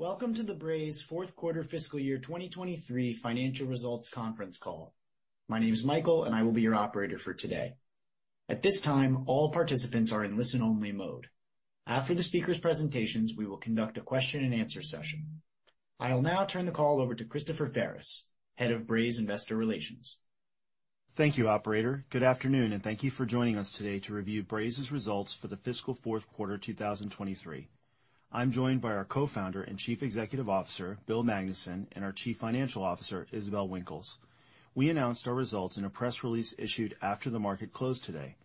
Welcome to the Braze fourth quarter fiscal year 2023 financial results conference call. My name is Michael, and I will be your operator for today. At this time, all participants are in listen-only mode. After the speaker's presentations, we will conduct a question-and-answer session. I'll now turn the call over to Christopher Ferris, Head of Braze Investor Relations. Thank you, operator. Good afternoon, and thank you for joining us today to review Braze's results for the fiscal fourth quarter 2023. I'm joined by our Co-founder and Chief Executive Officer, Bill Magnuson, and our Chief Financial Officer, Isabelle Winkles. We announced our results in a press release issued after the market closed today.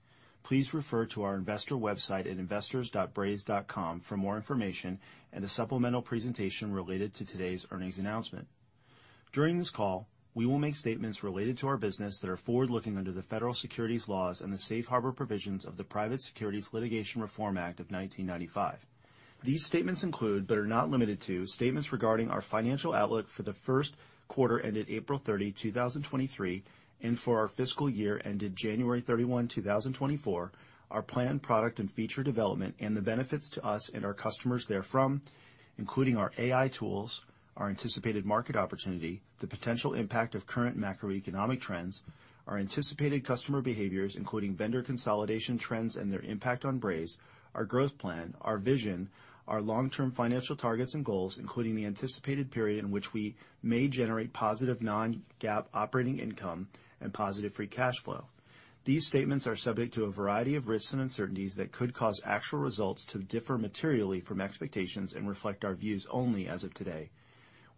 Please refer to our investor website at investors.braze.com for more information and a supplemental presentation related to today's earnings announcement. During this call, we will make statements related to our business that are forward-looking under the federal securities laws and the safe harbor provisions of the Private Securities Litigation Reform Act of 1995. These statements include, but are not limited to, statements regarding our financial outlook for the 1st quarter ended April 30, 2023, and for our fiscal year ended January 31, 2024, our planned product and feature development and the benefits to us and our customers therefrom, including our AI tools, our anticipated market opportunity, the potential impact of current macroeconomic trends, our anticipated customer behaviors, including vendor consolidation trends and their impact on Braze, our growth plan, our vision, our long-term financial targets and goals, including the anticipated period in which we may generate positive non-GAAP operating income and positive free cash flow. These statements are subject to a variety of risks and uncertainties that could cause actual results to differ materially from expectations and reflect our views only as of today.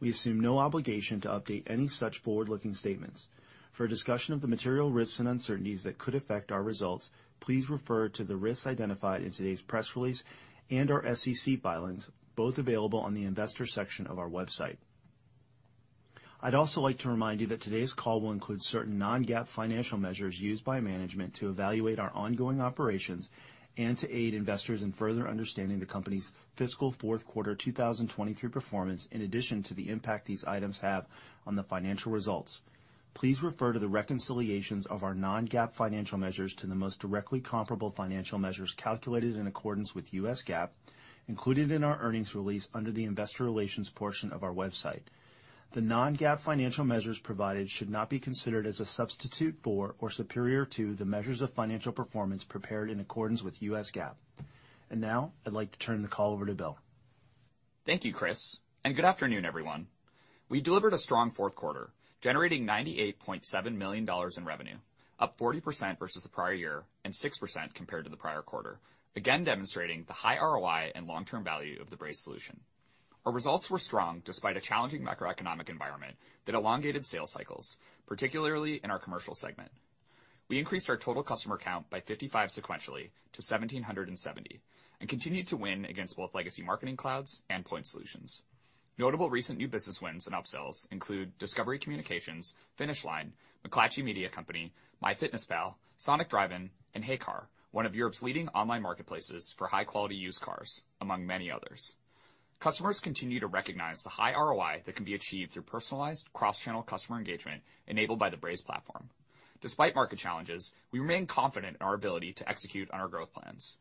We assume no obligation to update any such forward-looking statements. For a discussion of the material risks and uncertainties that could affect our results, please refer to the risks identified in today's press release and our SEC filings, both available on the Investors section of our website. I'd also like to remind you that today's call will include certain non-GAAP financial measures used by management to evaluate our ongoing operations and to aid investors in further understanding the company's fiscal fourth quarter 2023 performance in addition to the impact these items have on the financial results. Please refer to the reconciliations of our non-GAAP financial measures to the most directly comparable financial measures calculated in accordance with U.S. GAAP, included in our earnings release under the Investor Relations portion of our website. The non-GAAP financial measures provided should not be considered as a substitute for or superior to the measures of financial performance prepared in accordance with U.S. GAAP. Now, I'd like to turn the call over to Bill. Thank you, Chris, and good afternoon, everyone. We delivered a strong fourth quarter, generating $98.7 million in revenue, up 40% versus the prior year and 6% compared to the prior quarter. Again, demonstrating the high ROI and long-term value of the Braze solution. Our results were strong despite a challenging macroeconomic environment that elongated sales cycles, particularly in our commercial segment. We increased our total customer count by 55 sequentially to 1,770, and continued to win against both legacy marketing clouds and point solutions. Notable recent new business wins and upsells include Discovery Communications, Finish Line, McClatchy Media Company, MyFitnessPal, SONIC Drive-In, and heycar, one of Europe's leading online marketplaces for high-quality used cars, among many others. Customers continue to recognize the high ROI that can be achieved through personalized cross-channel customer engagement enabled by the Braze platform. Despite market challenges, we remain confident in our ability to execute on our growth plans.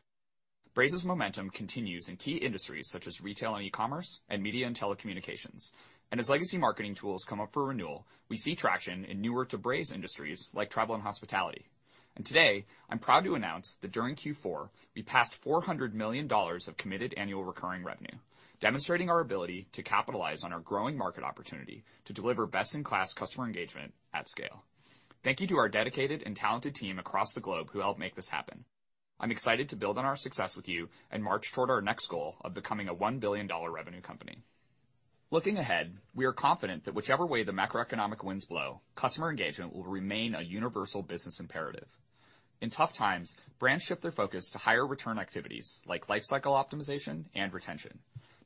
Braze's momentum continues in key industries such as retail and e-commerce, and media and telecommunications. As legacy marketing tools come up for renewal, we see traction in newer to Braze industries like travel and hospitality. Today, I'm proud to announce that during Q4, we passed $400 million of committed annual recurring revenue, demonstrating our ability to capitalize on our growing market opportunity to deliver best-in-class customer engagement at scale. Thank you to our dedicated and talented team across the globe who helped make this happen. I'm excited to build on our success with you and march toward our next goal of becoming a $1 billion revenue company. Looking ahead, we are confident that whichever way the macroeconomic winds blow, customer engagement will remain a universal business imperative. In tough times, brands shift their focus to higher return activities like life cycle optimization and retention.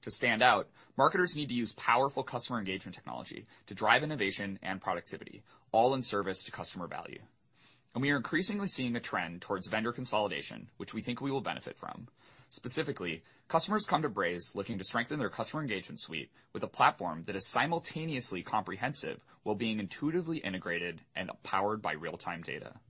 To stand out, marketers need to use powerful customer engagement technology to drive innovation and productivity, all in service to customer value. We are increasingly seeing a trend towards vendor consolidation, which we think we will benefit from. Specifically, customers come to Braze looking to strengthen their customer engagement suite with a platform that is simultaneously comprehensive while being intuitively integrated and powered by real-time data.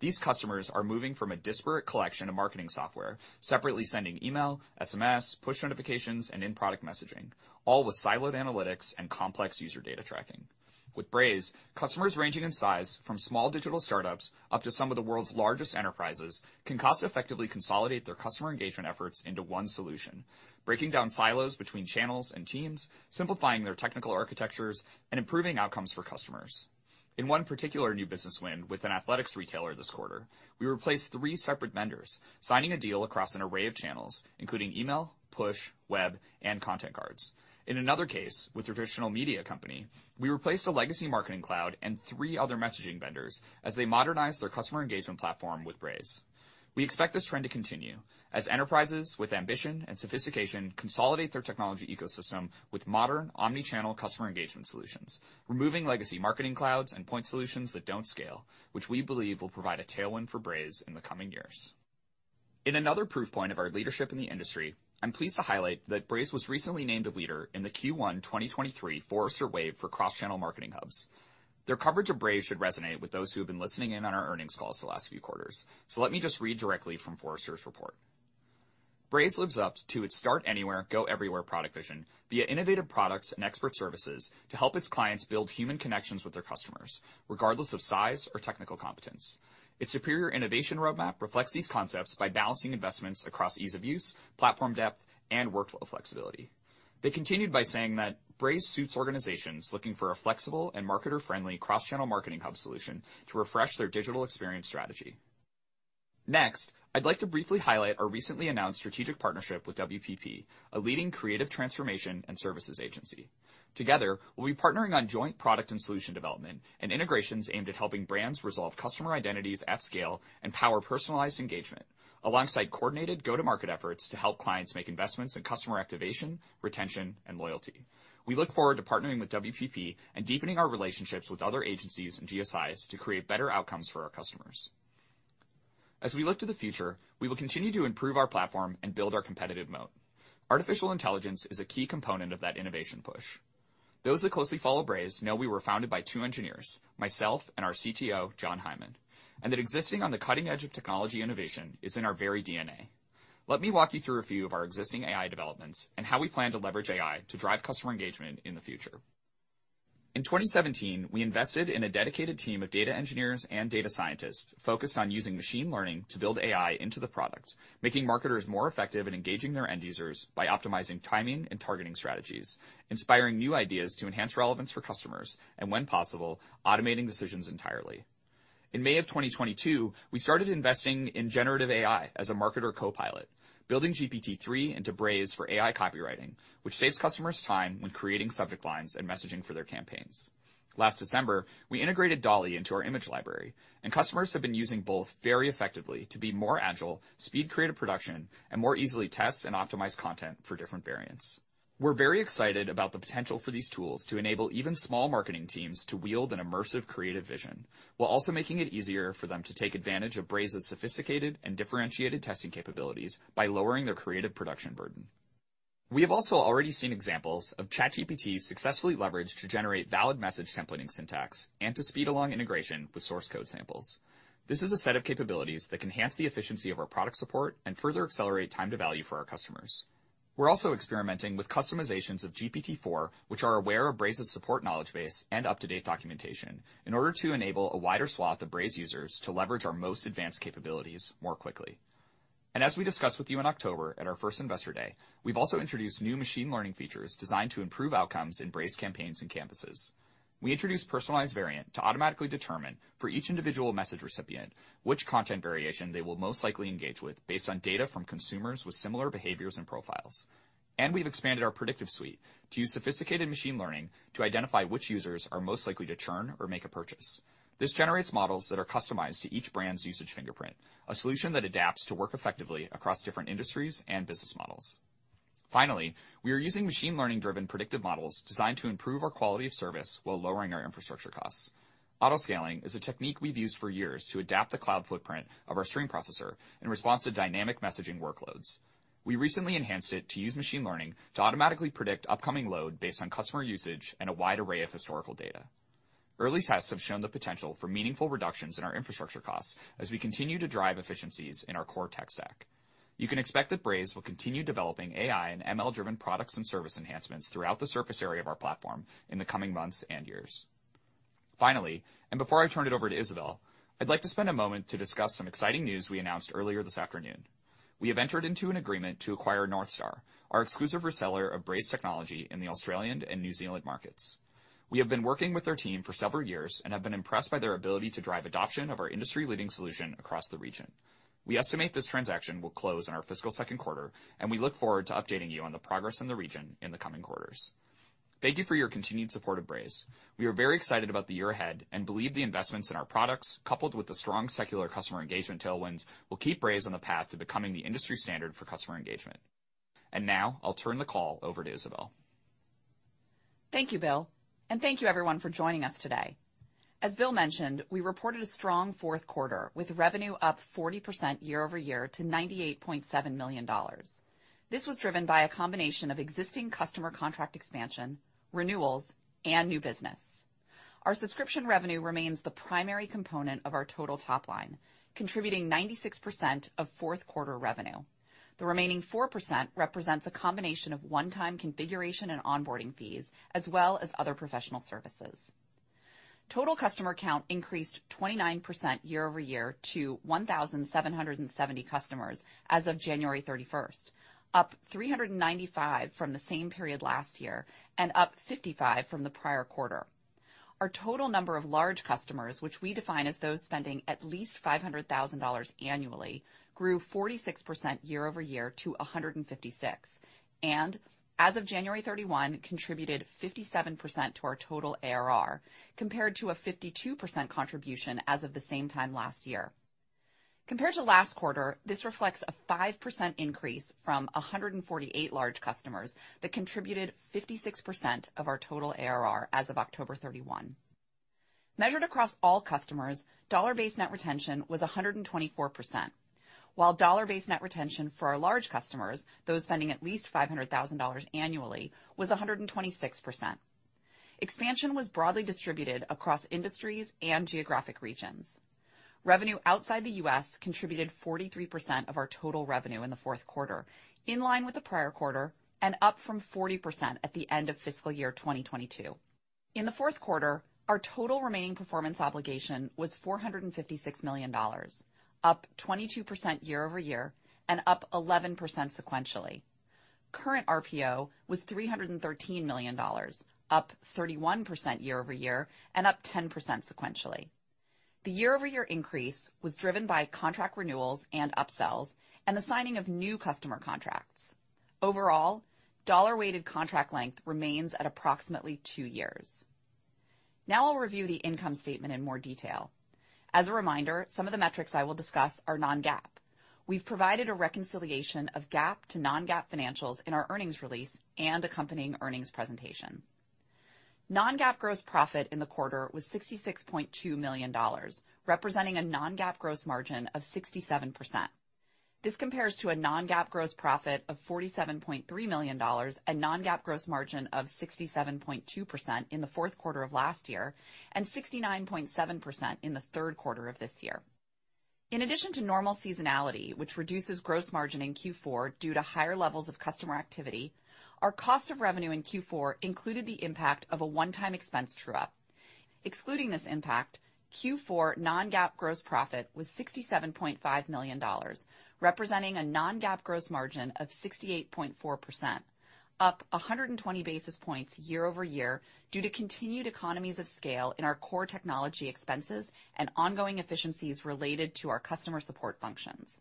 These customers are moving from a disparate collection of marketing software, separately sending email, SMS, push notifications, and in-product messaging, all with siloed analytics and complex user data tracking. With Braze, customers ranging in size from small digital startups up to some of the world's largest enterprises, can cost-effectively consolidate their customer engagement efforts into one solution, breaking down silos between channels and teams, simplifying their technical architectures and improving outcomes for customers. In one particular new business win with an athletics retailer this quarter, we replaced three separate vendors, signing a deal across an array of channels, including email, push, web, and Content Cards. In another case, with a traditional media company, we replaced a legacy marketing cloud and three other messaging vendors as they modernized their customer engagement platform with Braze. We expect this trend to continue as enterprises with ambition and sophistication consolidate their technology ecosystem with modern omni-channel customer engagement solutions, removing legacy marketing clouds and point solutions that don't scale, which we believe will provide a tailwind for Braze in the coming years. In another proof point of our leadership in the industry, I'm pleased to highlight that Braze was recently named a leader in the Q1 2023 Forrester Wave for Cross-Channel Marketing Hubs. Their coverage of Braze should resonate with those who have been listening in on our earnings calls the last few quarters. Let me just read directly from Forrester's report: "Braze lives up to its Start Anywhere, Go Everywhere product vision via innovative products and expert services to help its clients build human connections with their customers, regardless of size or technical competence. Its superior innovation roadmap reflects these concepts by balancing investments across ease of use, platform depth, and workflow flexibility." They continued by saying that, "Braze suits organizations looking for a flexible and marketer-friendly cross-channel marketing hub solution to refresh their digital experience strategy." I'd like to briefly highlight our recently announced strategic partnership with WPP, a leading creative transformation and services agency. Together, we'll be partnering on joint product and solution development and integrations aimed at helping brands resolve customer identities at scale and power personalized engagement, alongside coordinated go-to-market efforts to help clients make investments in customer activation, retention, and loyalty. We look forward to partnering with WPP and deepening our relationships with other agencies and GSIs to create better outcomes for our customers. As we look to the future, we will continue to improve our platform and build our competitive moat. Artificial intelligence is a key component of that innovation push. Those that closely follow Braze know we were founded by two engineers, myself and our CTO, Jon Hyman, and that existing on the cutting edge of technology innovation is in our very DNA. Let me walk you through a few of our existing AI developments and how we plan to leverage AI to drive customer engagement in the future. In 2017, we invested in a dedicated team of data engineers and data scientists focused on using machine learning to build AI into the product, making marketers more effective in engaging their end users by optimizing timing and targeting strategies, inspiring new ideas to enhance relevance for customers, and when possible, automating decisions entirely. In May of 2022, we started investing in generative AI as a marketer co-pilot, building GPT-three into Braze for AI copywriting, which saves customers time when creating subject lines and messaging for their campaigns. Last December, we integrated DALL-E into our image library, and customers have been using both very effectively to be more agile, speed creative production, and more easily test and optimize content for different variants. We're very excited about the potential for these tools to enable even small marketing teams to wield an immersive creative vision, while also making it easier for them to take advantage of Braze's sophisticated and differentiated testing capabilities by lowering their creative production burden. We have also already seen examples of ChatGPT successfully leveraged to generate valid message templating syntax and to speed along integration with source code samples. This is a set of capabilities that can enhance the efficiency of our product support and further accelerate time to value for our customers. We're also experimenting with customizations of GPT-four, which are aware of Braze's support knowledge base and up-to-date documentation in order to enable a wider swath of Braze users to leverage our most advanced capabilities more quickly. As we discussed with you in October at our first Investor Day, we've also introduced new machine learning features designed to improve outcomes in Braze campaigns and Canvases. We introduced Personalized Variant to automatically determine for each individual message recipient which content variation they will most likely engage with based on data from consumers with similar behaviors and profiles. We've expanded our predictive suite to use sophisticated machine learning to identify which users are most likely to churn or make a purchase. This generates models that are customized to each brand's usage fingerprint, a solution that adapts to work effectively across different industries and business models. Finally, we are using machine learning-driven predictive models designed to improve our quality of service while lowering our infrastructure costs. Autoscaling is a technique we've used for years to adapt the cloud footprint of our stream processor in response to dynamic messaging workloads. We recently enhanced it to use machine learning to automatically predict upcoming load based on customer usage and a wide array of historical data. Early tests have shown the potential for meaningful reductions in our infrastructure costs as we continue to drive efficiencies in our core tech stack. You can expect that Braze will continue developing AI and ML-driven products and service enhancements throughout the surface area of our platform in the coming months and years. Finally, before I turn it over to Isabelle, I'd like to spend a moment to discuss some exciting news we announced earlier this afternoon. We have entered into an agreement to acquire North Star, our exclusive reseller of Braze technology in the Australian and New Zealand markets. We have been working with their team for several years and have been impressed by their ability to drive adoption of our industry-leading solution across the region. We estimate this transaction will close in our fiscal second quarter, and we look forward to updating you on the progress in the region in the coming quarters. Thank you for your continued support of Braze. We are very excited about the year ahead and believe the investments in our products, coupled with the strong secular customer engagement tailwinds, will keep Braze on the path to becoming the industry standard for customer engagement. Now I'll turn the call over to Isabelle. Thank you, Bill. Thank you, everyone for joining us today. As Bill mentioned, we reported a strong fourth quarter, with revenue up 40% year-over-year to $98.7 million. This was driven by a combination of existing customer contract expansion, renewals, and new business. Our subscription revenue remains the primary component of our total top line, contributing 96% of fourth quarter revenue. The remaining 4% represents a combination of one-time configuration and onboarding fees, as well as other professional services. Total customer count increased 29% year-over-year to 1,770 customers as of January 31st, up 395 from the same period last year and up 55 from the prior quarter. Our total number of large customers, which we define as those spending at least $500,000 annually, grew 46% year-over-year to 156, and as of January 31, contributed 57% to our total ARR, compared to a 52% contribution as of the same time last year. Compared to last quarter, this reflects a 5% increase from 148 large customers that contributed 56% of our total ARR as of October 31. Measured across all customers, dollar-based net retention was 124%, while dollar-based net retention for our large customers, those spending at least $500,000 annually, was 126%. Expansion was broadly distributed across industries and geographic regions. Revenue outside the U.S. contributed 43% of our total revenue in the fourth quarter, in line with the prior quarter and up from 40% at the end of fiscal year 2022. In the fourth quarter, our total remaining performance obligation was $456 million, up 22% year-over-year and up 11% sequentially. Current RPO was $313 million, up 31% year-over-year and up 10% sequentially. The year-over-year increase was driven by contract renewals, and upsells, and the signing of new customer contracts. Overall, dollar-weighted contract length remains at approximately two years. I'll review the income statement in more detail. As a reminder, some of the metrics I will discuss are non-GAAP. We've provided a reconciliation of GAAP to non-GAAP financials in our earnings release and accompanying earnings presentation. Non-GAAP gross profit in the quarter was $66.2 million, representing a non-GAAP gross margin of 67%. This compares to a non-GAAP gross profit of $47.3 million and non-GAAP gross margin of 67.2% in the fourth quarter of last year and 69.7% in the third quarter of this year. In addition to normal seasonality, which reduces gross margin in Q4 due to higher levels of customer activity, our cost of revenue in Q4 included the impact of a one-time expense true-up. Excluding this impact, Q4 non-GAAP gross profit was $67.5 million, representing a non-GAAP gross margin of 68.4%, up 120 basis points year-over-year due to continued economies of scale in our core technology expenses and ongoing efficiencies related to our customer support functions.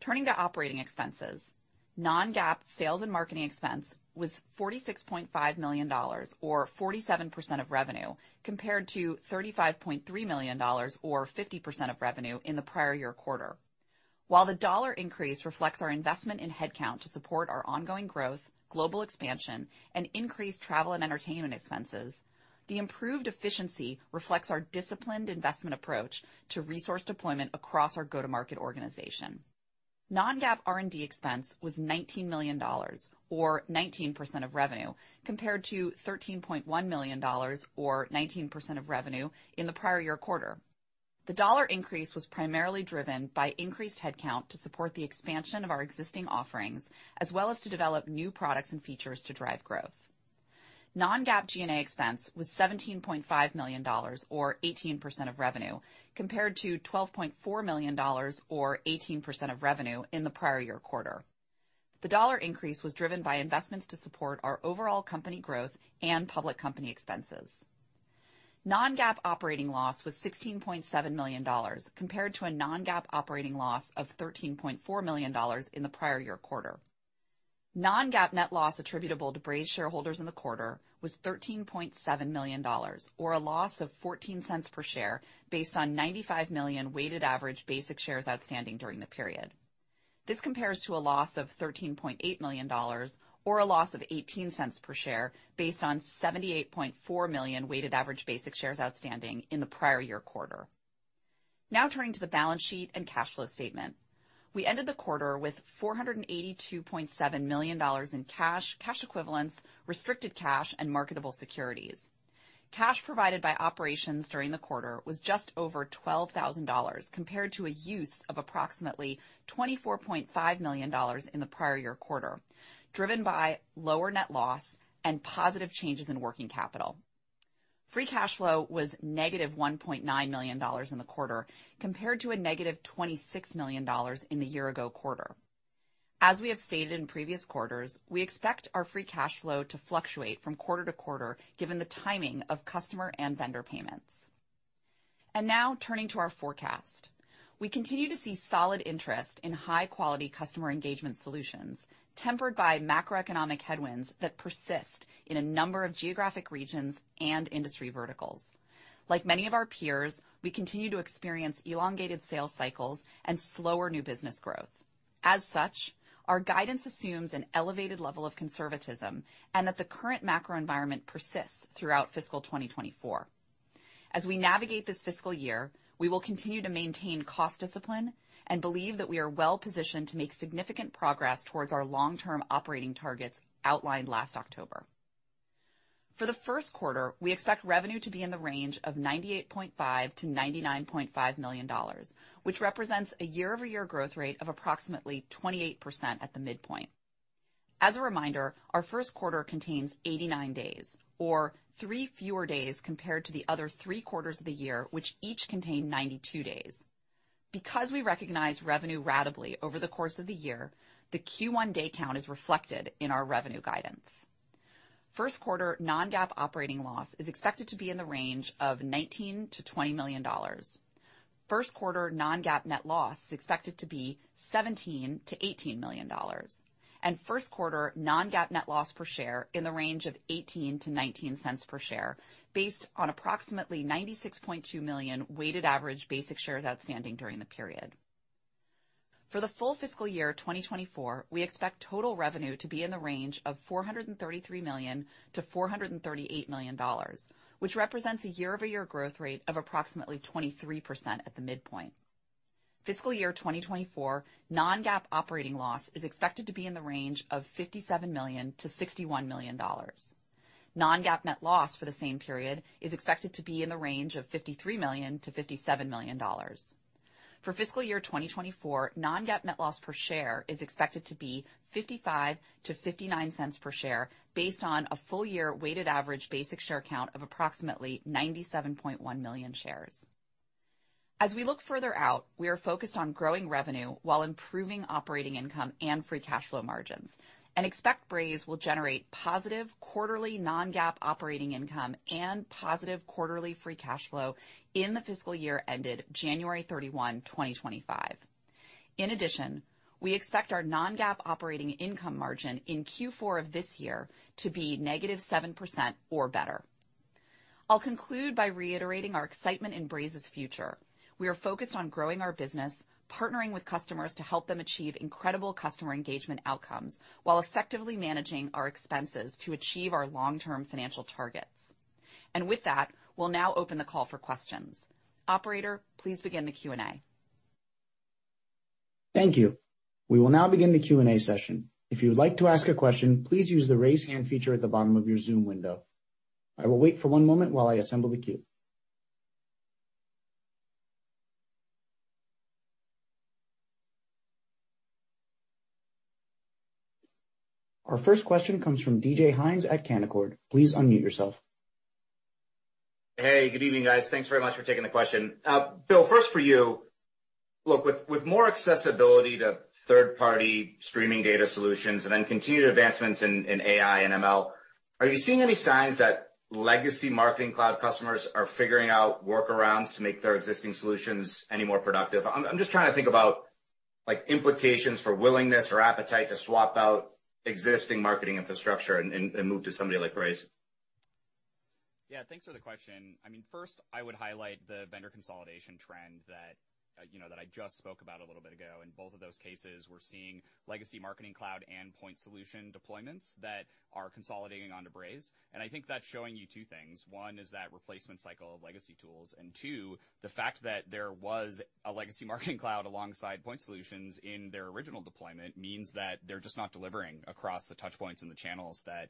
Turning to operating expenses. Non-GAAP sales and marketing expense was $46.5 million or 47% of revenue, compared to $35.3 million, or 50% of revenue in the prior year quarter. While the dollar increase reflects our investment in headcount to support our ongoing growth, global expansion, and increased travel and entertainment expenses, the improved efficiency reflects our disciplined investment approach to resource deployment across our go-to-market organization. Non-GAAP R&D expense was $19 million, or 19% of revenue, compared to $13.1 million, or 19% of revenue, in the prior year quarter. The dollar increase was primarily driven by increased headcount to support the expansion of our existing offerings, as well as to develop new products and features to drive growth. Non-GAAP G&A expense was $17.5 million, or 18% of revenue, compared to $12.4 million, or 18% of revenue in the prior year quarter. The dollar increase was driven by investments to support our overall company growth and public company expenses. Non-GAAP operating loss was $16.7 million, compared to a non-GAAP operating loss of $13.4 million in the prior year quarter. Non-GAAP net loss attributable to Braze shareholders in the quarter was $13.7 million, or a loss of $0.14 per share based on 95 million weighted average basic shares outstanding during the period. This compares to a loss of $13.8 million, or a loss of $0.18 per share, based on 78.4 million weighted average basic shares outstanding in the prior year quarter. Now turning to the balance sheet and cash flow statement. We ended the quarter with $482.7 million in cash equivalents, restricted cash, and marketable securities. Cash provided by operations during the quarter was just over $12,000, compared to a use of approximately $24.5 million in the prior year quarter, driven by lower net loss and positive changes in working capital. Free cash flow was $-1.9 million in the quarter, compared to a $-26 million in the year-ago quarter. As we have stated in previous quarters, we expect our free cash flow to fluctuate from quarter-to-quarter given the timing of customer and vendor payments. Now turning to our forecast. We continue to see solid interest in high-quality customer engagement solutions, tempered by macroeconomic headwinds that persist in a number of geographic regions and industry verticals. Like many of our peers, we continue to experience elongated sales cycles and slower new business growth. As such, our guidance assumes an elevated level of conservatism and that the current macro environment persists throughout fiscal 2024. As we navigate this fiscal year, we will continue to maintain cost discipline and believe that we are well-positioned to make significant progress towards our long-term operating targets outlined last October. For the first quarter, we expect revenue to be in the range of $98.5 million-$99.5 million, which represents a year-over-year growth rate of approximately 28% at the midpoint. As a reminder, our first quarter contains 89 days, or three fewer days compared to the other three quarters of the year, which each contain 92 days. Because we recognize revenue ratably over the course of the year, the Q1 day count is reflected in our revenue guidance. First quarter non-GAAP operating loss is expected to be in the range of $19 million-$20 million. First quarter non-GAAP net loss is expected to be $17 million-$18 million. First quarter non-GAAP net loss per share in the range of $0.18-$0.19 per share based on approximately 96.2 million weighted average basic shares outstanding during the period. For the full fiscal year 2024, we expect total revenue to be in the range of $433 million to $438 million, which represents a year-over-year growth rate of approximately 23% at the midpoint. Fiscal year 2024 non-GAAP operating loss is expected to be in the range of $57 million to $61 million. Non-GAAP net loss for the same period is expected to be in the range of $53 million to $57 million. For fiscal year 2024, non-GAAP net loss per share is expected to be $0.55 to $0.59 per share based on a full-year weighted average basic share count of approximately 97.1 million shares. As we look further out, we are focused on growing revenue while improving operating income and free cash flow margins. We expect Braze will generate positive quarterly non-GAAP operating income and positive quarterly free cash flow in the fiscal year ended January 31, 2025. In addition, we expect our non-GAAP operating income margin in Q4 of this year to be -7% or better. I'll conclude by reiterating our excitement in Braze's future. We are focused on growing our business, partnering with customers to help them achieve incredible customer engagement outcomes, while effectively managing our expenses to achieve our long-term financial targets. With that, we'll now open the call for questions. Operator, please begin the Q&A. Thank you. We will now begin the Q&A session. If you would like to ask a question, please use the Raise Hand feature at the bottom of your Zoom window. I will wait for one moment while I assemble the queue. Our first question comes from DJ Hynes at Canaccord. Please unmute yourself. Hey, good evening, guys. Thanks very much for taking the question. Bill, first for you. Look, with more accessibility to third-party streaming data solutions and then continued advancements in AI and ML, are you seeing any signs that legacy Marketing Cloud customers are figuring out workarounds to make their existing solutions any more productive? I'm just trying to think about like implications for willingness or appetite to swap out existing marketing infrastructure and move to somebody like Braze. Yeah. Thanks for the question. I mean, first, I would highlight the vendor consolidation trend that, you know, that I just spoke about a little bit ago. In both of those cases, we're seeing legacy Marketing Cloud and point solution deployments that are consolidating onto Braze. I think that's showing you two things. One is that replacement cycle of legacy tools, and two, the fact that there was a legacy Marketing Cloud alongside point solutions in their original deployment means that they're just not delivering across the touch points and the channels that,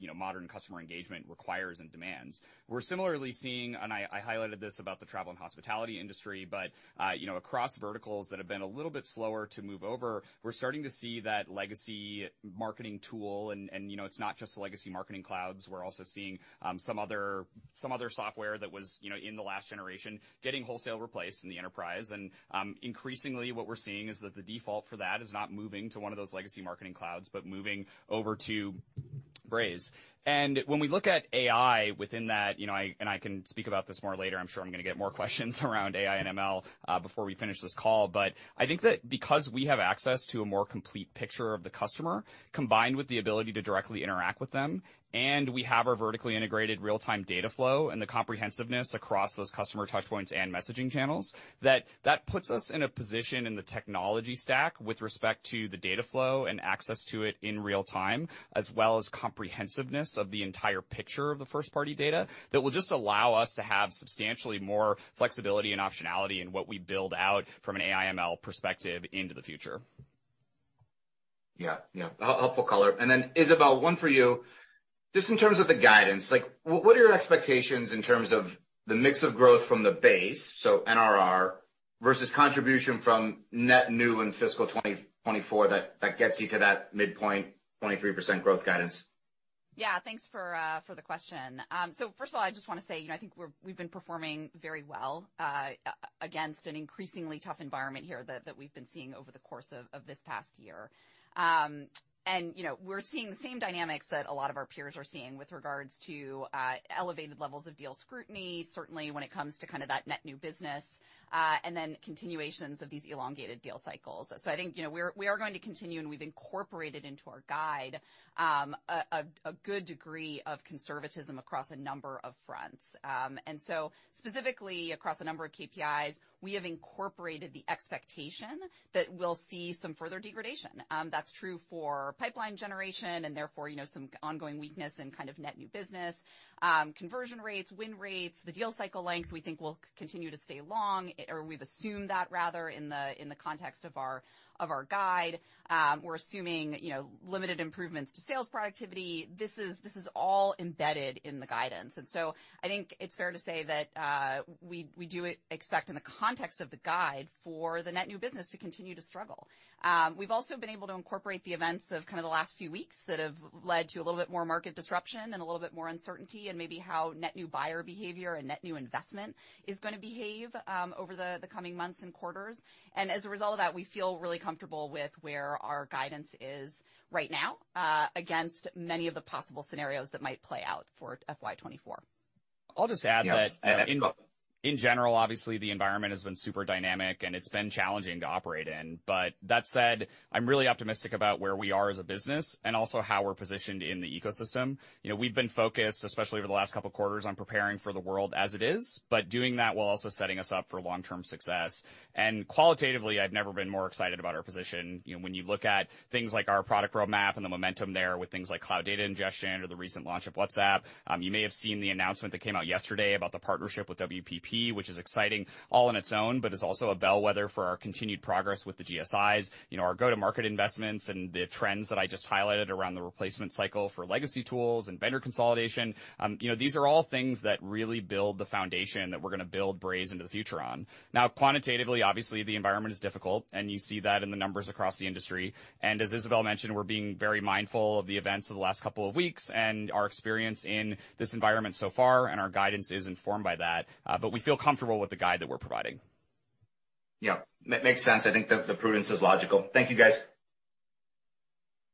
you know, modern customer engagement requires and demands. We're similarly seeing, and I highlighted this about the travel and hospitality industry, but, you know, across verticals that have been a little bit slower to move over, we're starting to see that legacy marketing tool. You know, it's not just the legacy Marketing Clouds, we're also seeing some other software that was, you know, in the last generation, getting wholesale replaced in the enterprise. Increasingly, what we're seeing is that the default for that is not moving to one of those legacy Marketing Clouds, but moving over to Braze. When we look at AI within that, you know, I can speak about this more later. I'm sure I'm gonna get more questions around AI and ML before we finish this call. I think that because we have access to a more complete picture of the customer, combined with the ability to directly interact with them, and we have our vertically integrated real-time data flow and the comprehensiveness across those customer touch points and messaging channels, that that puts us in a position in the technology stack with respect to the data flow and access to it in real time, as well as comprehensiveness of the entire picture of the first-party data that will just allow us to have substantially more flexibility and optionality in what we build out from an AI ML perspective into the future. Yeah. Yeah. Helpful color. Then, Isabelle, one for you. Just in terms of the guidance, like what are your expectations in terms of the mix of growth from the base, so NRR, versus contribution from net new in fiscal 2024 that gets you to that midpoint 23% growth guidance? Yeah. Thanks for the question. First of all, I just wanna say, you know, I think we're, we've been performing very well against an increasingly tough environment here that we've been seeing over the course of this past year. You know, we're seeing the same dynamics that a lot of our peers are seeing with regards to elevated levels of deal scrutiny, certainly when it comes to kinda that net new business, continuations of these elongated deal cycles. I think, you know, we're, we are going to continue, we've incorporated into our guide a good degree of conservatism across a number of fronts. Specifically across a number of KPIs, we have incorporated the expectation that we'll see some further degradation. That's true for pipeline generation and therefore, you know, some ongoing weakness in kind of net new business, conversion rates, win rates. The deal cycle length, we think will continue to stay long, or we've assumed that, rather in the context of our, of our guide. We're assuming, you know, limited improvements to sales productivity. This is all embedded in the guidance. I think it's fair to say that, we do expect in the context of the guide, for the net new business to continue to struggle. We've also been able to incorporate the events of kind of the last few weeks that have led to a little bit more market disruption and a little bit more uncertainty in maybe how net new buyer behavior and net new investment is going to behave over the coming months and quarters. As a result of that, we feel really comfortable with where our guidance is right now against many of the possible scenarios that might play out for FY 2024. I'll just add. Yeah. In general, obviously, the environment has been super dynamic, and it's been challenging to operate in. That said, I'm really optimistic about where we are as a business and also how we're positioned in the ecosystem. You know, we've been focused, especially over the last couple of quarters, on preparing for the world as it is, but doing that while also setting us up for long-term success. Qualitatively, I've never been more excited about our position. You know, when you look at things like our product roadmap and the momentum there with things like Cloud Data Ingestion or the recent launch of WhatsApp. You may have seen the announcement that came out yesterday about the partnership with WPP, which is exciting all on its own, but is also a bellwether for our continued progress with the GSIs. You know, our go-to-market investments and the trends that I just highlighted around the replacement cycle for legacy tools and vendor consolidation, you know, these are all things that really build the foundation that we're gonna build Braze into the future on. Now, quantitatively, obviously, the environment is difficult, and you see that in the numbers across the industry. As Isabelle mentioned, we're being very mindful of the events of the last couple of weeks and our experience in this environment so far, and our guidance is informed by that. We feel comfortable with the guide that we're providing. Yeah. Makes sense. I think the prudence is logical. Thank you, guys.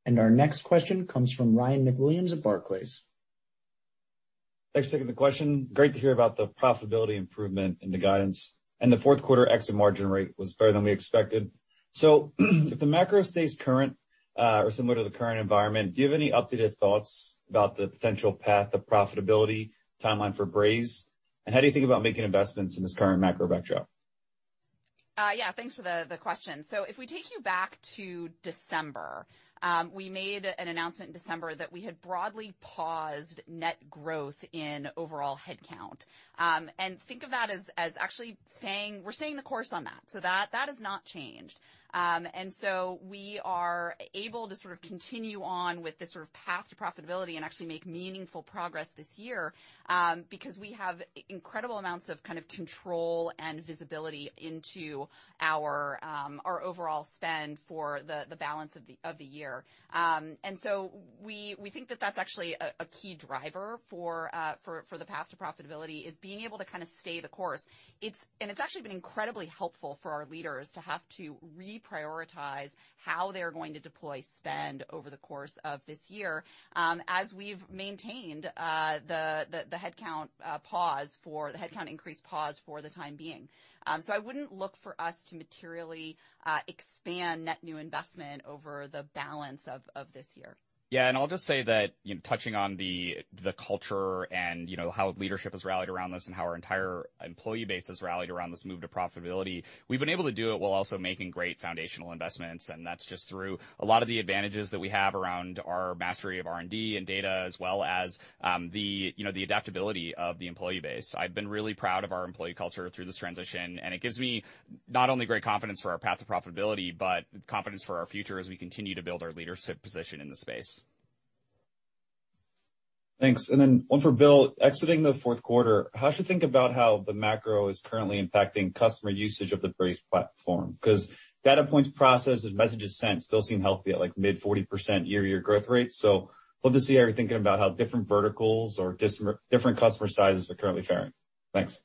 Our next question comes from Ryan MacWilliams at Barclays. Thanks for taking the question. Great to hear about the profitability improvement in the guidance, and the fourth quarter exit margin rate was better than we expected. If the macro stays current, or similar to the current environment, do you have any updated thoughts about the potential path of profitability timeline for Braze, and how do you think about making investments in this current macro backdrop? Yeah. Thanks for the question. If we take you back to December, we made an announcement in December that we had broadly paused net growth in overall headcount. Think of that as actually saying we're staying the course on that. That has not changed. We are able to sort of continue on with this sort of path to profitability and actually make meaningful progress this year, because we have incredible amounts of kind of control and visibility into our overall spend for the balance of the year. We think that that's actually a key driver for the path to profitability, is being able to kind of stay the course. It's... It's actually been incredibly helpful for our leaders to have to reprioritize how they're going to deploy spend over the course of this year, as we've maintained the headcount pause for the headcount increase pause for the time being. I wouldn't look for us to materially expand net new investment over the balance of this year. Yeah. I'll just say that, you know, touching on the culture and, you know, how leadership has rallied around this, and how our entire employee base has rallied around this move to profitability, we've been able to do it while also making great foundational investments. That's just through a lot of the advantages that we have around our mastery of R&D and data, as well as, the, you know, the adaptability of the employee base. I've been really proud of our employee culture through this transition, and it gives me not only great confidence for our path to profitability, but confidence for our future as we continue to build our leadership position in the space. Thanks. One for Bill. Exiting the fourth quarter, how should you think about how the macro is currently impacting customer usage of the Braze platform? 'Cause data points, processes, messages sent still seem healthy at, like, mid 40% year-over-year growth rates. Love to see how you're thinking about how different verticals or different customer sizes are currently faring. Thanks.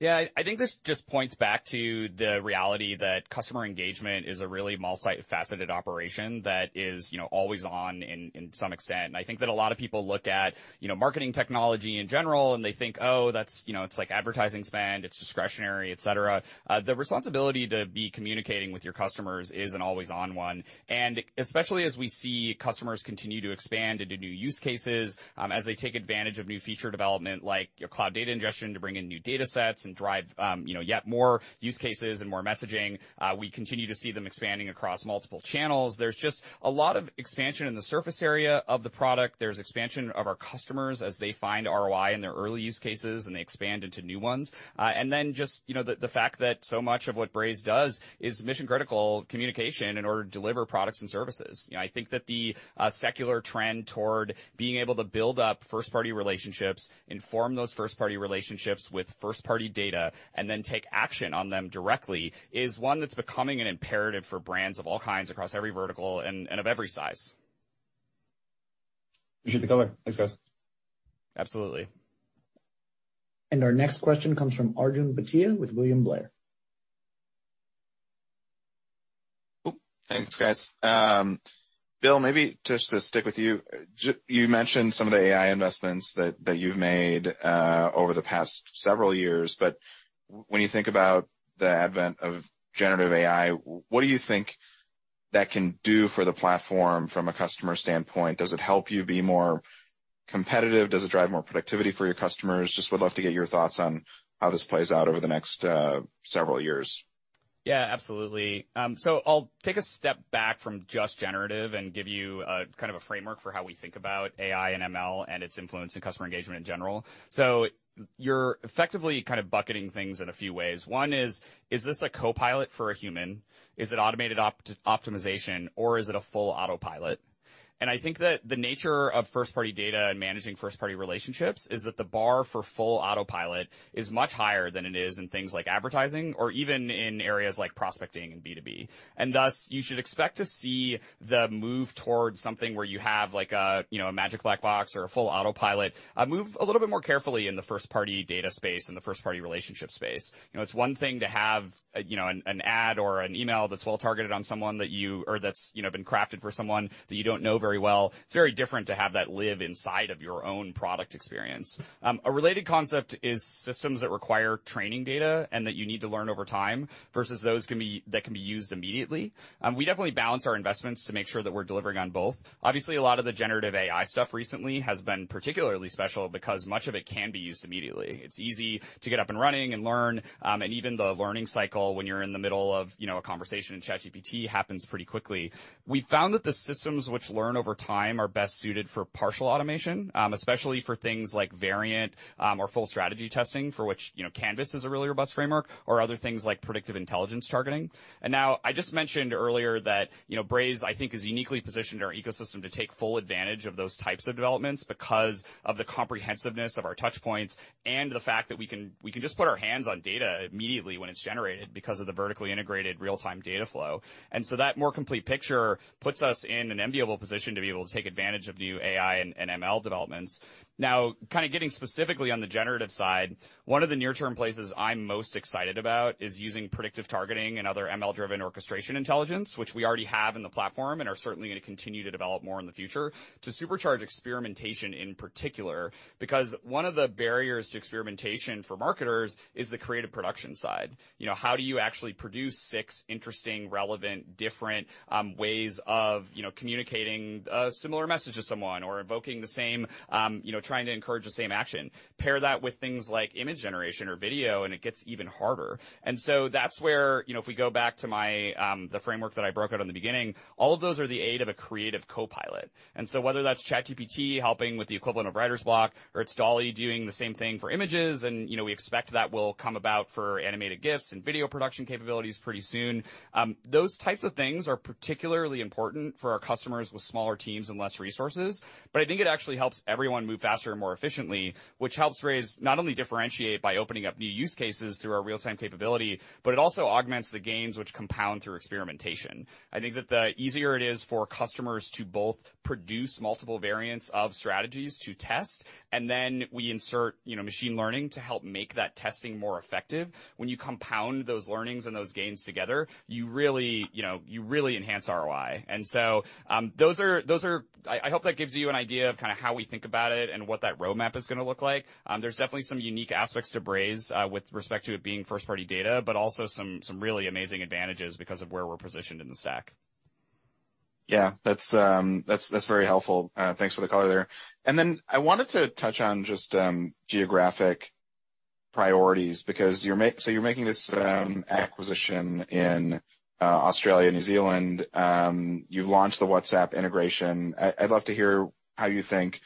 Yeah. I think this just points back to the reality that customer engagement is a really multifaceted operation that is, you know, always on in some extent. I think that a lot of people look at, you know, marketing technology in general, and they think, "Oh, that's, you know, it's like advertising spend, it's discretionary, et cetera." The responsibility to be communicating with your customers is an always on one, and especially as we see customers continue to expand into new use cases, as they take advantage of new feature development like your Cloud Data Ingestion to bring in new datasets and drive, you know, yet more use cases and more messaging, we continue to see them expanding across multiple channels. There's just a lot of expansion in the surface area of the product. There's expansion of our customers as they find ROI in their early use cases, and they expand into new ones. Just, you know, the fact that so much of what Braze does is mission-critical communication in order to deliver products and services. You know, I think that the secular trend toward being able to build up first party relationships, inform those first party relationships with first party data, and then take action on them directly is one that's becoming an imperative for brands of all kinds across every vertical and of every size. Appreciate the color. Thanks, guys. Absolutely. Our next question comes from Arjun Bhatia with William Blair. Oh, thanks, guys. Bill, maybe just to stick with you. You mentioned some of the AI investments that you've made over the past several years, but when you think about the advent of generative AI, what do you think that can do for the platform from a customer standpoint? Does it help you be more competitive? Does it drive more productivity for your customers? Just would love to get your thoughts on how this plays out over the next several years. Absolutely. I'll take a step back from just generative and give you a kind of a framework for how we think about AI and ML and its influence in customer engagement in general. You're effectively kind of bucketing things in a few ways. One is this a copilot for a human? Is it automated opt-optimization, or is it a full autopilot? I think that the nature of first-party data and managing first-party relationships is that the bar for full autopilot is much higher than it is in things like advertising or even in areas like prospecting and B2B. Thus, you should expect to see the move towards something where you have, like a magic black box or a full autopilot, move a little bit more carefully in the first-party data space and the first-party relationship space. You know, it's one thing to have, you know, an ad or an email that's well-targeted on someone that's, you know, been crafted for someone that you don't know very well. It's very different to have that live inside of your own product experience. A related concept is systems that require training data and that you need to learn over time versus that can be used immediately. We definitely balance our investments to make sure that we're delivering on both. Obviously, a lot of the generative AI stuff recently has been particularly special because much of it can be used immediately. It's easy to get up and running and learn, and even the learning cycle when you're in the middle of, you know, a conversation in ChatGPT happens pretty quickly. We found that the systems which learn over time are best suited for partial automation, especially for things like variant, or full strategy testing, for which, you know, Canvas is a really robust framework or other things like predictive intelligence targeting. I just mentioned earlier that, you know, Braze, I think, is uniquely positioned in our ecosystem to take full advantage of those types of developments because of the comprehensiveness of our touch points and the fact that we can just put our hands on data immediately when it's generated because of the vertically integrated real-time data flow. That more complete picture puts us in an enviable position to be able to take advantage of new AI and ML developments. Now, kind of getting specifically on the generative side, one of the near-term places I'm most excited about is using predictive targeting and other ML-driven orchestration intelligence, which we already have in the platform and are certainly gonna continue to develop more in the future, to supercharge experimentation in particular. Because one of the barriers to experimentation for marketers is the creative production side. You know, how do you actually produce six interesting, relevant, different ways of, you know, communicating a similar message to someone or invoking the same, you know, trying to encourage the same action? Pair that with things like image generation or video, and it gets even harder. That's where, you know, if we go back to my, the framework that I broke out in the beginning, all of those are the aid of a creative copilot. Whether that's ChatGPT helping with the equivalent of writer's block or it's DALL-E doing the same thing for images, and, you know, we expect that will come about for animated GIFs and video production capabilities pretty soon. Those types of things are particularly important for our customers with smaller teams and less resources, but I think it actually helps everyone move faster and more efficiently, which helps Braze not only differentiate by opening up new use cases through our real-time capability, but it also augments the gains which compound through experimentation. I think that the easier it is for customers to both produce multiple variants of strategies to test, and then we insert, you know, machine learning to help make that testing more effective, when you compound those learnings and those gains together, you really, you know, you really enhance ROI. Those are. I hope that gives you an idea of kind of how we think about it and what that roadmap is gonna look like. There's definitely some unique aspects to Braze with respect to it being first-party data, but also some really amazing advantages because of where we're positioned in the stack. Yeah, that's very helpful. Thanks for the color there. Then I wanted to touch on just geographic priorities because you're making this acquisition in Australia, New Zealand. You've launched the WhatsApp integration. I'd love to hear how you think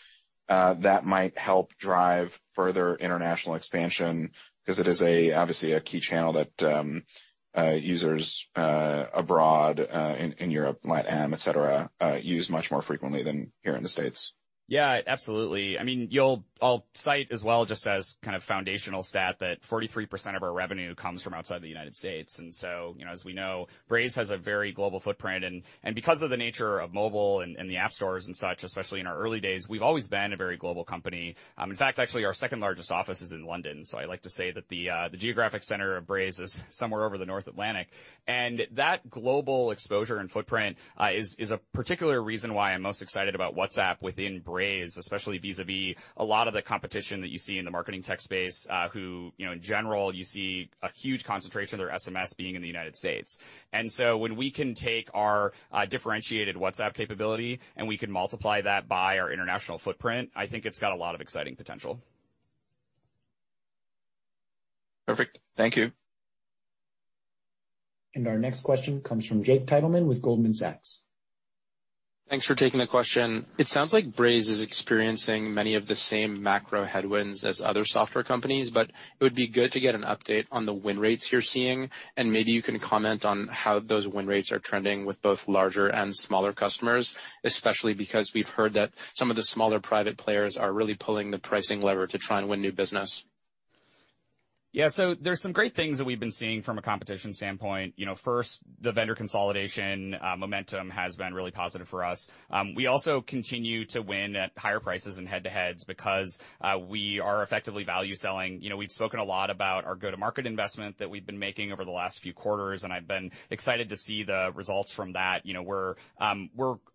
that might help drive further international expansion, 'cause it is a, obviously a key channel that users abroad in Europe, LATAM, et cetera, use much more frequently than here in the States. Yeah, absolutely. I mean, I'll cite as well just as kind of a foundational stat that 43% of our revenue comes from outside the United States. You know, as we know, Braze has a very global footprint, and because of the nature of mobile and the app stores and such, especially in our early days, we've always been a very global company. In fact, actually, our second largest office is in London, so I like to say that the geographic center of Braze is somewhere over the North Atlantic. That global exposure and footprint is a particular reason why I'm most excited about WhatsApp within Braze, especially vis-à-vis a lot of the competition that you see in the marketing tech space, who, you know, in general, you see a huge concentration of their SMS being in the United States. When we can take our differentiated WhatsApp capability, and we can multiply that by our international footprint, I think it's got a lot of exciting potential. Perfect. Thank you. Our next question comes from Jake Titleman with Goldman Sachs. Thanks for taking the question. It sounds like Braze is experiencing many of the same macro headwinds as other software companies, but it would be good to get an update on the win rates you're seeing, and maybe you can comment on how those win rates are trending with both larger and smaller customers, especially because we've heard that some of the smaller private players are really pulling the pricing lever to try and win new business. Yeah. There's some great things that we've been seeing from a competition standpoint. You know, first, the vendor consolidation momentum has been really positive for us. We also continue to win at higher prices in head-to-heads because we are effectively value selling. You know, we've spoken a lot about our go-to-market investment that we've been making over the last few quarters, and I've been excited to see the results from that. You know, we're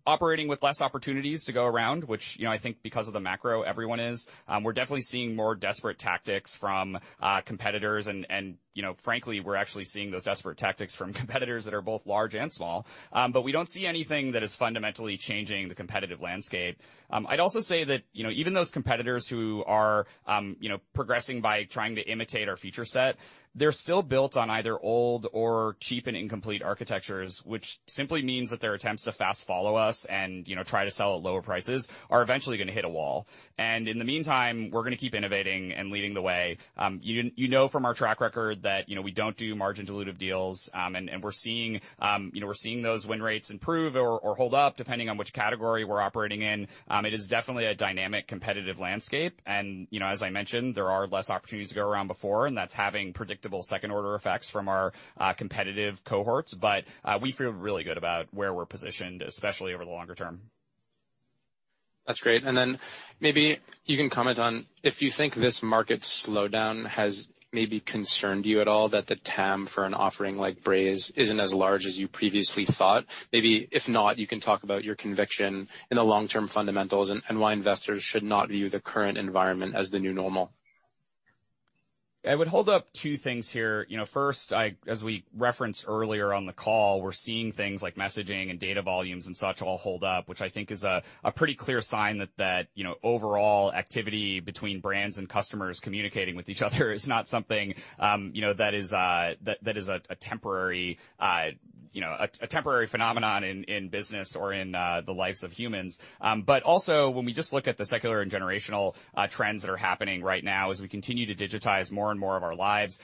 operating with less opportunities to go around, which, you know, I think because of the macro, everyone is. We're definitely seeing more desperate tactics from competitors and, you know, frankly, we're actually seeing those desperate tactics from competitors that are both large and small. But we don't see anything that is fundamentally changing the competitive landscape. I'd also say that, you know, even those competitors who are, you know, progressing by trying to imitate our feature set, they're still built on either old or cheap and incomplete architectures, which simply means that their attempts to fast follow us and, you know, try to sell at lower prices are eventually gonna hit a wall. In the meantime, we're gonna keep innovating and leading the way. You know from our track record that, you know, we don't do margin dilutive deals, and we're seeing, you know, we're seeing those win rates improve or hold up depending on which category we're operating in. It is definitely a dynamic, competitive landscape. You know, as I mentioned, there are less opportunities to go around before, and that's having predictable second-order effects from our competitive cohorts. We feel really good about where we're positioned, especially over the longer term. That's great. Maybe, you can comment on if you think this market slowdown has maybe concerned you at all that the TAM for an offering like Braze isn't as large as you previously thought. Maybe if not, you can talk about your conviction in the long-term fundamentals and why investors should not view the current environment as the new normal. I would hold up two things here. You know, first, as we referenced earlier on the call, we're seeing things like messaging and data volumes and such all hold up, which I think is a pretty clear sign that, you know, overall activity between brands and customers communicating with each other is not something, you know, that is a temporary, you know, a temporary phenomenon in business or in the lives of humans. Also, when we just look at the secular and generational trends that are happening right now as we continue to digitize more and more of our lives.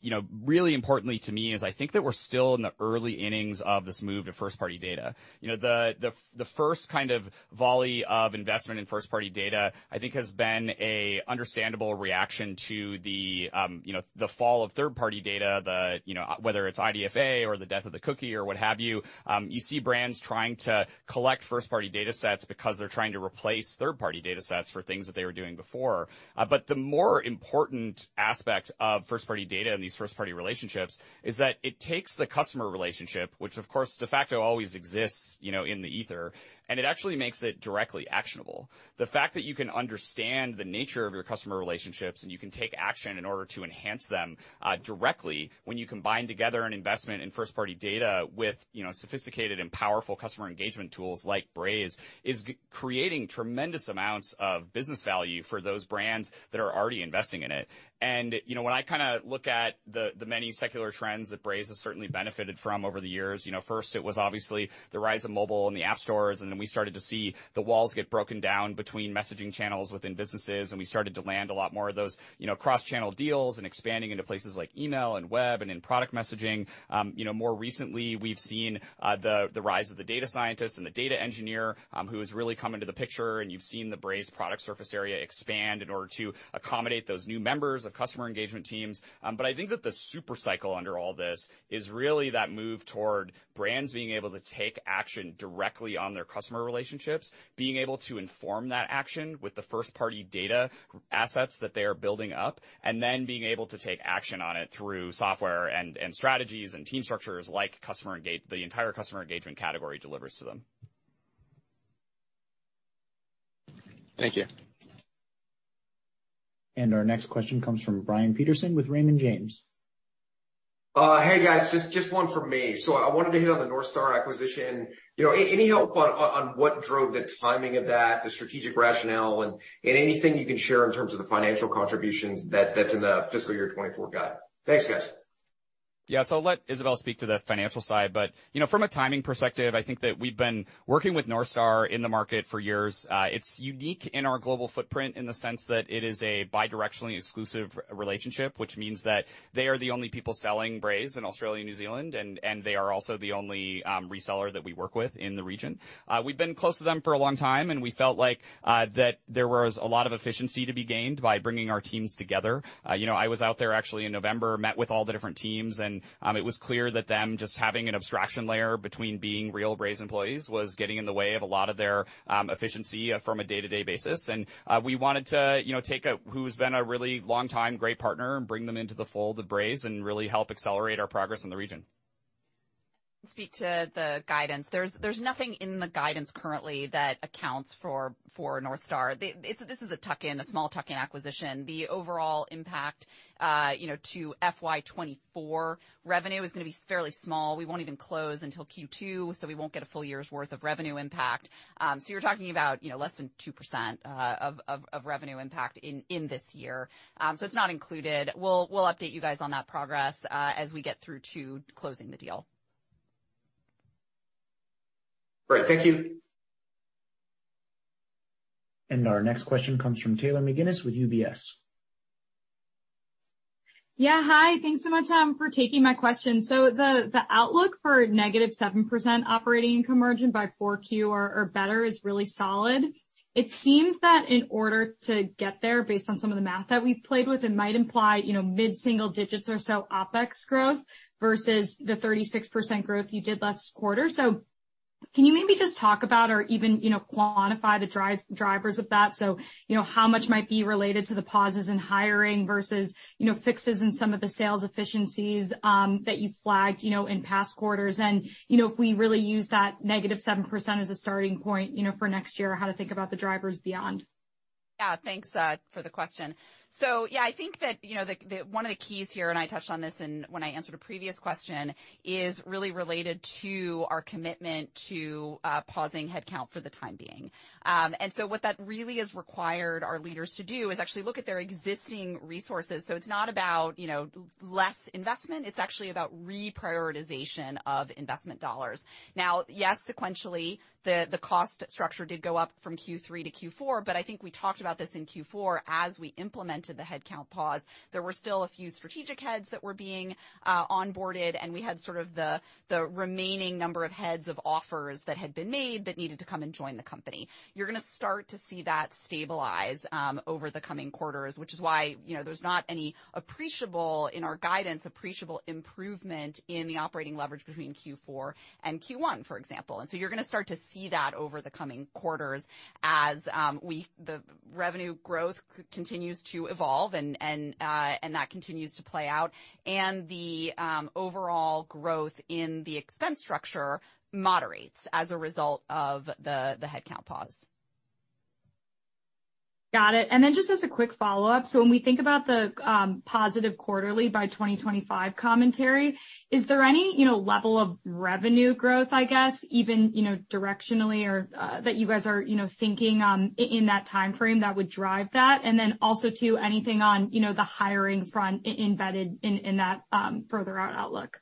You know, really importantly to me is I think that we're still in the early innings of this move to first-party data. You know, the first kind of volley of investment in first-party data, I think has been a understandable reaction to the, you know, the fall of third-party data, you know, whether it's IDFA or the death of the cookie or what have you. You see brands trying to collect first-party datasets because they're trying to replace third-party datasets for things that they were doing before. The more important aspect of first-party data and these first-party relationships is that it takes the customer relationship, which of course de facto always exists, you know, in the ether, and it actually makes it directly actionable. The fact that you can understand the nature of your customer relationships, and you can take action in order to enhance them, directly when you combine together an investment in first-party data with, you know, sophisticated and powerful customer engagement tools like Braze, is creating tremendous amounts of business value for those brands that are already investing in it. When I kinda look at the many secular trends that Braze has certainly benefited from over the years, you know, first it was obviously the rise of mobile and the app stores, and then we started to see the walls get broken down between messaging channels within businesses, and we started to land a lot more of those, you know, cross-channel deals and expanding into places like email and web and in product messaging. You know, more recently, we've seen the rise of the data scientist and the data engineer, who has really come into the picture, and you've seen the Braze product surface area expand in order to accommodate those new members of customer engagement teams. I think that the super cycle under all this is really that move toward brands being able to take action directly on their customer relationships, being able to inform that action with the first-party data assets that they are building up, and then being able to take action on it through software and strategies and team structures like customer engagement the entire customer engagement category delivers to them. Thank you. Our next question comes from Brian Peterson with Raymond James. Hey, guys, just one for me. I wanted to hit on the North Star acquisition. You know, any help on what drove the timing of that, the strategic rationale, and anything you can share in terms of the financial contributions that's in the fiscal year 2024 guide? Thanks, guys. Yeah. I'll let Isabelle speak to the financial side, you know, from a timing perspective, I think that we've been working with North Star in the market for years. It's unique in our global footprint in the sense that it is a bidirectionally exclusive relationship, which means that they are the only people selling Braze in Australia, New Zealand, and they are also the only reseller that we work with in the region. We've been close to them for a long time, we felt like that there was a lot of efficiency to be gained by bringing our teams together. You know, I was out there actually in November, met with all the different teams. It was clear that them just having an abstraction layer between being real Braze employees was getting in the way of a lot of their efficiency from a day-to-day basis. We wanted to, you know, take who's been a really long-time great partner and bring them into the fold of Braze and really help accelerate our progress in the region. Speak to the guidance. There's nothing in the guidance currently that accounts for North Star. This is a tuck-in, a small tuck-in acquisition. The overall impact, you know, to FY 2024 revenue is gonna be fairly small. We won't even close until Q2, so we won't get a full year's worth of revenue impact. You're talking about, you know, less than 2%, of revenue impact in this year. It's not included. We'll update you guys on that progress as we get through to closing the deal. Great. Thank you. Our next question comes from Taylor McGinnis with UBS. Yeah. Hi. Thanks so much for taking my question. The outlook for -7% operating income margin by 4Q or better is really solid. It seems that in order to get there based on some of the math that we've played with, it might imply, you know, mid-single-digits or so OpEx growth versus the 36% growth you did last quarter. Can you maybe just talk about or even, you know, quantify the drivers of that? How much might be related to the pauses in hiring versus, you know, fixes in some of the sales efficiencies that you flagged, you know, in past quarters? If we really use that -7% as a starting point, you know, for next year, how to think about the drivers beyond. Thanks for the question. I think that, you know, one of the keys here, and I touched on this when I answered a previous question, is really related to our commitment to pausing headcount for the time being. What that really has required our leaders to do is actually look at their existing resources. It's not about, you know, less investment. It's actually about reprioritization of investment dollars. Yes, sequentially, the cost structure did go up from Q3 to Q4, but I think we talked about this in Q4. As we implemented the headcount pause, there were still a few strategic heads that were being onboarded, and we had sort of the remaining number of heads of offers that had been made that needed to come and join the company. You're gonna start to see that stabilize over the coming quarters, which is why, you know, there's not any appreciable in our guidance, appreciable improvement in the operating leverage between Q4 and Q1, for example. You're gonna start to see that over the coming quarters as the revenue growth continues to evolve, and that continues to play out. The overall growth in the expense structure moderates as a result of the headcount pause. Got it. Just as a quick follow-up. When we think about the, positive quarterly by 2025 commentary, is there any, you know, level of revenue growth, I guess, even, you know, directionally or, that you guys are, you know, thinking, in that time frame that would drive that? Also too, anything on, you know, the hiring front embedded in that, further out outlook?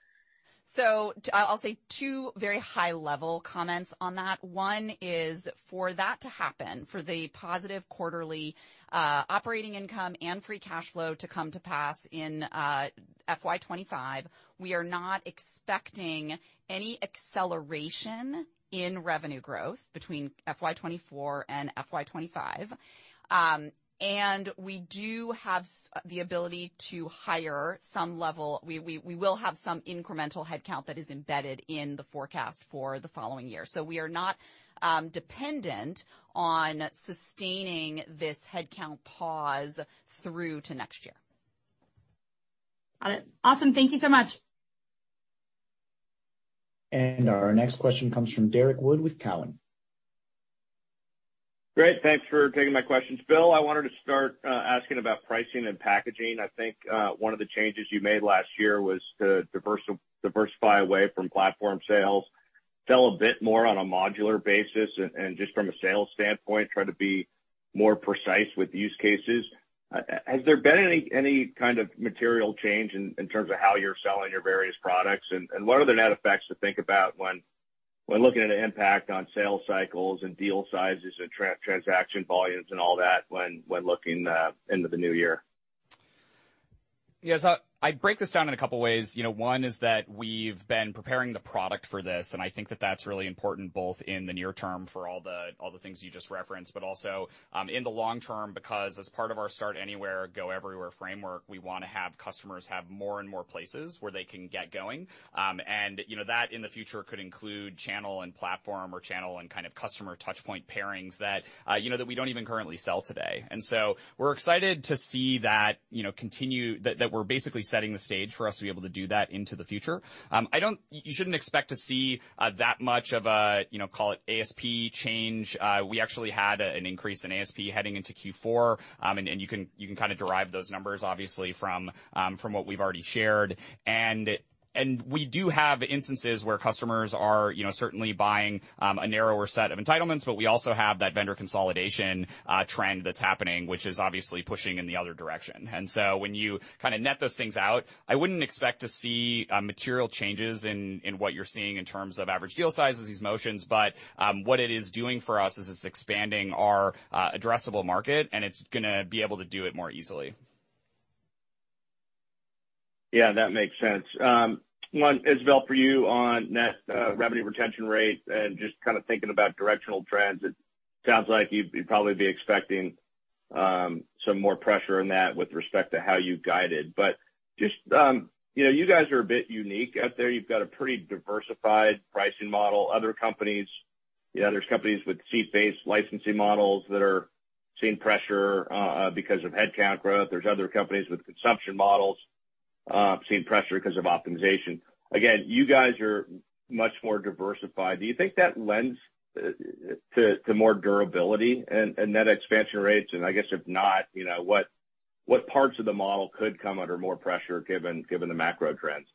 I'll say two very high-level comments on that. One is for that to happen, for the positive quarterly, operating income, and free cash flow to come to pass in, FY 2025, we are not expecting any acceleration in revenue growth between FY 2024 and FY 2025. We do have the ability to hire some level. We will have some incremental headcount that is embedded in the forecast for the following year. We are not dependent on sustaining this headcount pause through to next year. Got it. Awesome. Thank you so much. Our next question comes from Derrick Wood with TD Cowen. Great. Thanks for taking my questions. Bill, I wanted to start asking about pricing and packaging. I think one of the changes you made last year was to diversify away from platform sales, sell a bit more on a modular basis, and just from a sales standpoint, try to be more precise with use cases. Has there been any kind of material change in terms of how you're selling your various products? What are the net effects to think about when looking at an impact on sales cycles, and deal sizes, and transaction volumes, and all that when looking into the new year? Yes. I break this down in a couple ways. You know, one is that we've been preparing the product for this, and I think that that's really important both in the near term for all the things you just referenced, but also in the long term, because as part of our Start Anywhere, Go Everywhere framework, we wanna have customers have more and more places where they can get going. And you know that in the future could include channel and platform or channel and kind of customer touch point pairings that, you know, that we don't even currently sell today. We're excited to see that, you know, continue that we're basically setting the stage for us to be able to do that into the future. You shouldn't expect to see, you know, that much of a call it ASP change. We actually had an increase in ASP heading into Q4. You can kind of derive those numbers obviously from what we've already shared. We do have instances where customers are, you know, certainly buying a narrower set of entitlements, but we also have that vendor consolidation trend that's happening, which is obviously pushing in the other direction. When you kind of net those things out, I wouldn't expect to see material changes in what you're seeing in terms of average deal sizes, these motions. But what it is doing for us is it's expanding our addressable market, and it's gonna be able to do it more easily. Yeah, that makes sense. One, Isabelle, for you on net revenue retention rate, and just kind of thinking about directional trends, it sounds like you'd probably be expecting some more pressure on that with respect to how you guided. Just, you know, you guys are a bit unique out there. You've got a pretty diversified pricing model. Other companies, you know, there's companies with seat-based licensing models that are seeing pressure because of headcount growth. There' are other companies with consumption models seeing pressure 'cause of optimization. Again, you guys are much more diversified. Do you think that lends to more durability and net expansion rates? I guess if not, you know, what parts of the model could come under more pressure given the macro trends?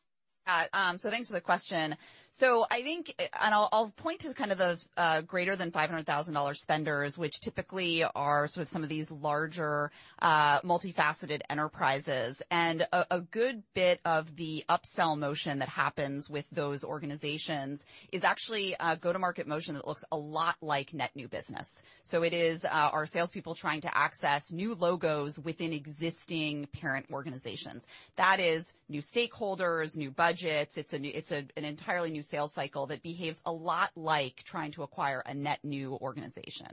Uh, um, so thanks for the question. So I think, and I'll, I'll point to kind of the, uh, greater than $500,000 spenders, which typically are sort of some of these larger, uh, multifaceted enterprises. And a, a good bit of the upsell motion that happens with those organizations is actually a go-to-market motion that looks a lot like net new business. So it is, uh, our salespeople are trying to access new logos within existing parent organizations. That is new stakeholders, new budgets. It's a new-- It's an entirely new sales cycle that behaves a lot like trying to acquire a net new organization.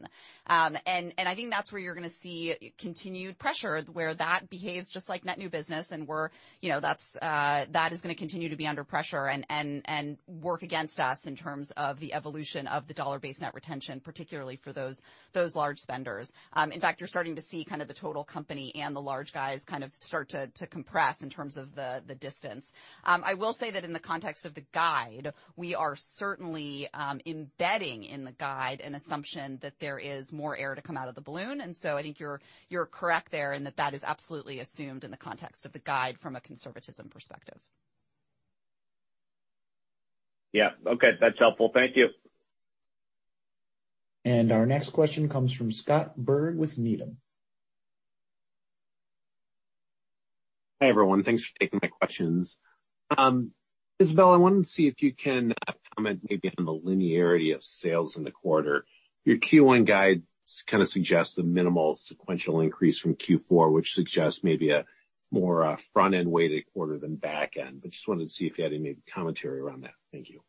And I think that's where you're gonna see continued pressure, where that behaves just like net new business and we're, you know, that is gonna continue to be under pressure and work against us in terms of the evolution of the dollar-based net retention, particularly for those large spenders. In fact, you're starting to see kind of the total company and the large guys kind of start to compress in terms of the distance. I will say that in the context of the guide, we are certainly embedding in the guide an assumption that there is more air to come out of the balloon. I think you're correct there, and that is absolutely assumed in the context of the guide from a conservatism perspective. Yeah. Okay. That's helpful. Thank you. Our next question comes from Scott Berg with Needham. Hi, everyone. Thanks for taking my questions. Isabelle, I wanted to see if you can comment maybe on the linearity of sales in the quarter. Your Q1 guide kind of suggests the minimal sequential increase from Q4, which suggests maybe a more front-end-weighted quarter than back end. Just wanted to see if you had any commentary around that. Thank you.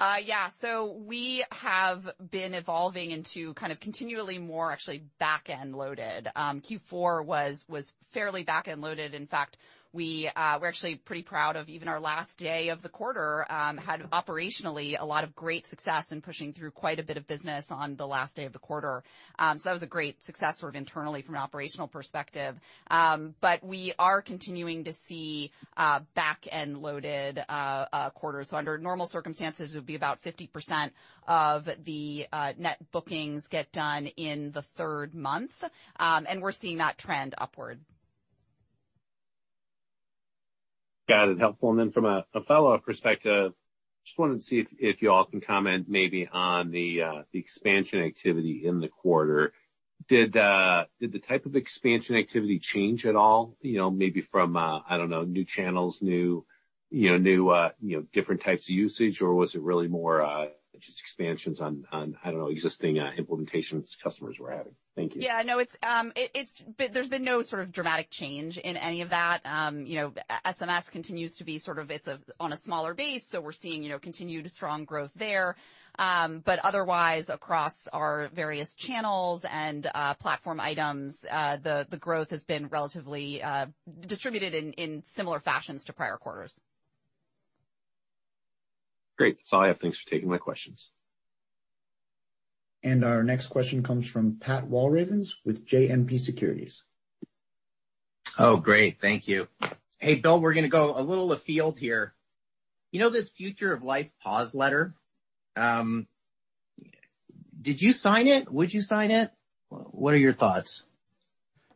Yeah. We have been evolving into kind of continually more actually back-end loaded. Q4 was fairly back-end loaded. In fact, we're actually pretty proud of even our last day of the quarter, had operationally a lot of great success in pushing through quite a bit of business on the last day of the quarter. That was a great success sort of internally from an operational perspective. We are continuing to see, back-end loaded quarters. Under normal circumstances, it would be about 50% of the, net bookings get done in the third month, and we're seeing that trend upward. Got it. Helpful. From a fellow perspective, just wanted to see if you all can comment maybe on the expansion activity in the quarter. Did the type of expansion activity change at all, you know, maybe from, I don't know, new channels, new, you know, new, you know, different types of usage? Was it really more just expansions on, I don't know, existing implementations customers were having? Thank you. Yeah, no, it's there's been no sort of dramatic change in any of that. You know, SMS continues to be sort of it's a on a smaller base, so we're seeing, you know, continued strong growth there. Otherwise, across our various channels and platform items, the growth has been relatively distributed in similar fashions to prior quarters. Great. That's all I have. Thanks for taking my questions. Our next question comes from Pat Walravens with JMP Securities. Oh, great. Thank you. Hey, Bill, we're gonna go a little afield here. You know this Future of Life Pause letter? Did you sign it? Would you sign it? What are your thoughts?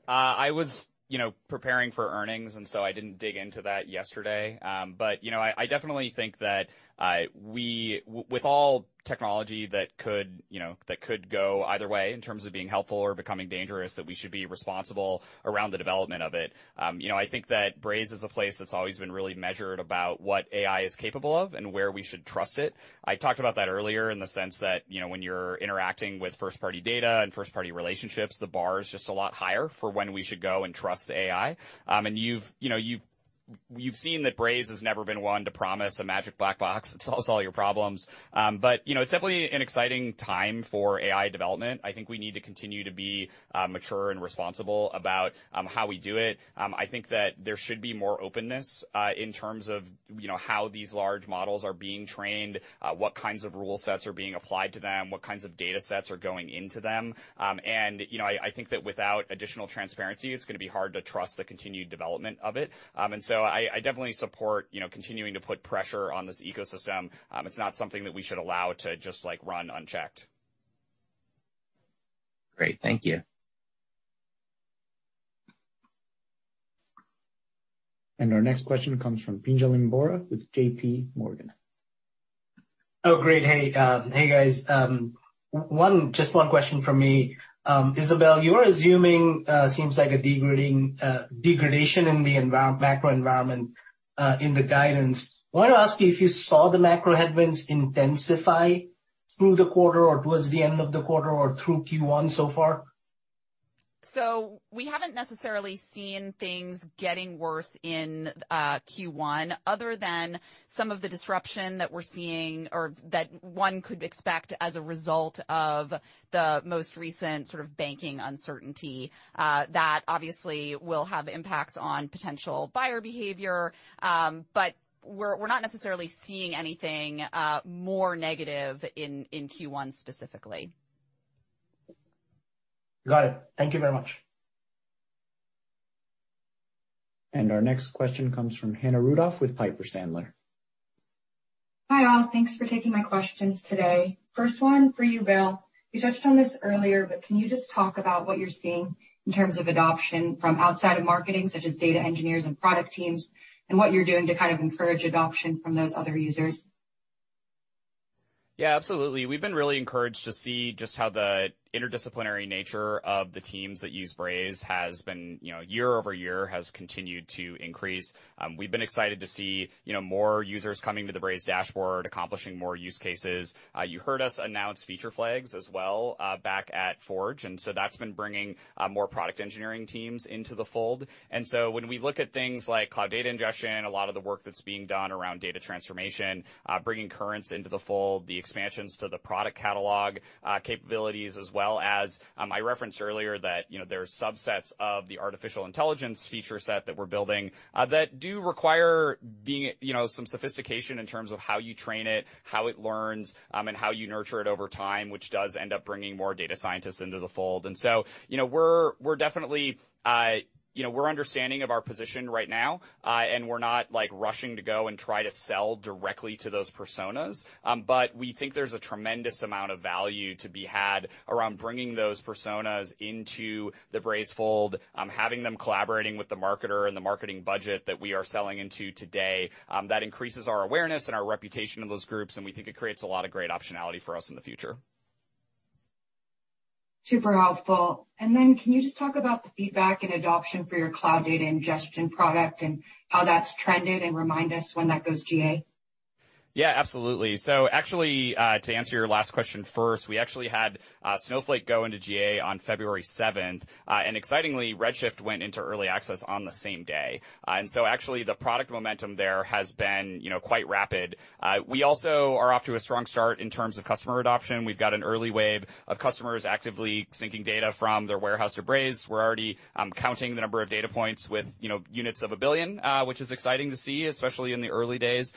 I was, you know, preparing for earnings. I didn't dig into that yesterday. You know, I definitely think that with all the technology that could, you know, that could go either way in terms of being helpful or becoming dangerous, that we should be responsible around the development of it. You know, I think that Braze is a place that's always been really measured about what AI is capable of and where we should trust it. I talked about that earlier in the sense that, you know, when you're interacting with first-party data and first-party relationships, the bar is just a lot higher for when we should go and trust the AI. You've, you know, you've seen that Braze has never been one to promise a magic black box that solves all your problems. You know, it's definitely an exciting time for AI development. I think we need to continue to be mature and responsible about how we do it. I think that there should be more openness in terms of, you know, how these large models are being trained, what kinds of rule sets are being applied to them, what kinds of datasets are going into them. You know, I think that without additional transparency, it's gonna be hard to trust the continued development of it. I definitely support, you know, continuing to put pressure on this ecosystem. It's not something that we should allow to just, like, run unchecked. Great. Thank you. Our next question comes from Pinjalim Bora with JPMorgan. Oh, great. Hey. Hey, guys. One, just one question from me. Isabelle, you are assuming, seems like a degrading, degradation in the environment, macro environment, in the guidance. Wanted to ask you if you saw the macro headwinds intensify through the quarter or towards the end of the quarter or through Q1 so far? We haven't necessarily seen things getting worse in Q1 other than some of the disruption that we're seeing or that one could expect as a result of the most recent sort of banking uncertainty, that obviously will have impacts on potential buyer behavior. We're not necessarily seeing anything more negative in Q1 specifically. Got it. Thank you very much. Our next question comes from Hannah Rudoff with Piper Sandler. Hi, all. Thanks for taking my questions today. First one for you, Bill. You touched on this earlier, but can you just talk about what you're seeing in terms of adoption from outside of marketing, such as data engineers and product teams, and what you're doing to kind of encourage adoption from those other users? Yeah, absolutely. We've been really encouraged to see just how the interdisciplinary nature of the teams that use Braze has been, you know, year over year has continued to increase. We've been excited to see, you know, more users coming to the Braze dashboard, accomplishing more use cases. You heard us announce Feature Flags as well, back at Forge, and so that's been bringing more product engineering teams into the fold. When we look at things like Cloud Data Ingestion, a lot of the work that's being done around data transformation, bringing Currents into the fold, the expansions to the product catalog, capabilities as well as, I referenced earlier that, you know, there are subsets of the artificial intelligence feature set that we're building, that do require being, you know, some sophistication in terms of how you train it, how it learns, and how you nurture it over time, which does end up bringing more data scientists into the fold. You know, we're definitely, you know, we're understanding of our position right now, and we're not, like, rushing to go and try to sell directly to those personas. We think there's a tremendous amount of value to be had around bringing those personas into the Braze fold, having them collaborating with the marketer and the marketing budget that we are selling into today. That increases our awareness and our reputation in those groups, and we think it creates a lot of great optionality for us in the future. Super helpful. Can you just talk about the feedback and adoption for your Cloud Data Ingestion product and how that's trended, and remind us when that goes GA? Yeah, absolutely. Actually, to answer your last question first, we actually had Snowflake go into GA on February seventh. Excitingly, Redshift went into early access on the same day. Actually, the product momentum there has been, you know, quite rapid. We also are off to a strong start in terms of customer adoption. We've got an early wave of customers actively syncing data from their warehouse to Braze. We're already counting the number of data points with, you know, units of a billion, which is exciting to see, especially in the early days.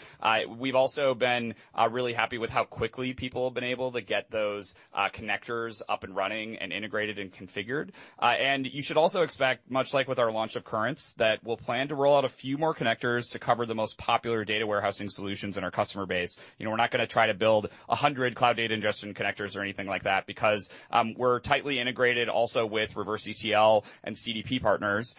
We've also been really happy with how quickly people have been able to get those connectors up and running, and integrated, and configured. You should also expect, much like with our launch of Currents, that we'll plan to roll out a few more connectors to cover the most popular data warehousing solutions in our customer base. You know, we're not gonna try to build 100 Cloud Data Ingestion connectors or anything like that because we're tightly integrated also with reverse ETL and CDP partners.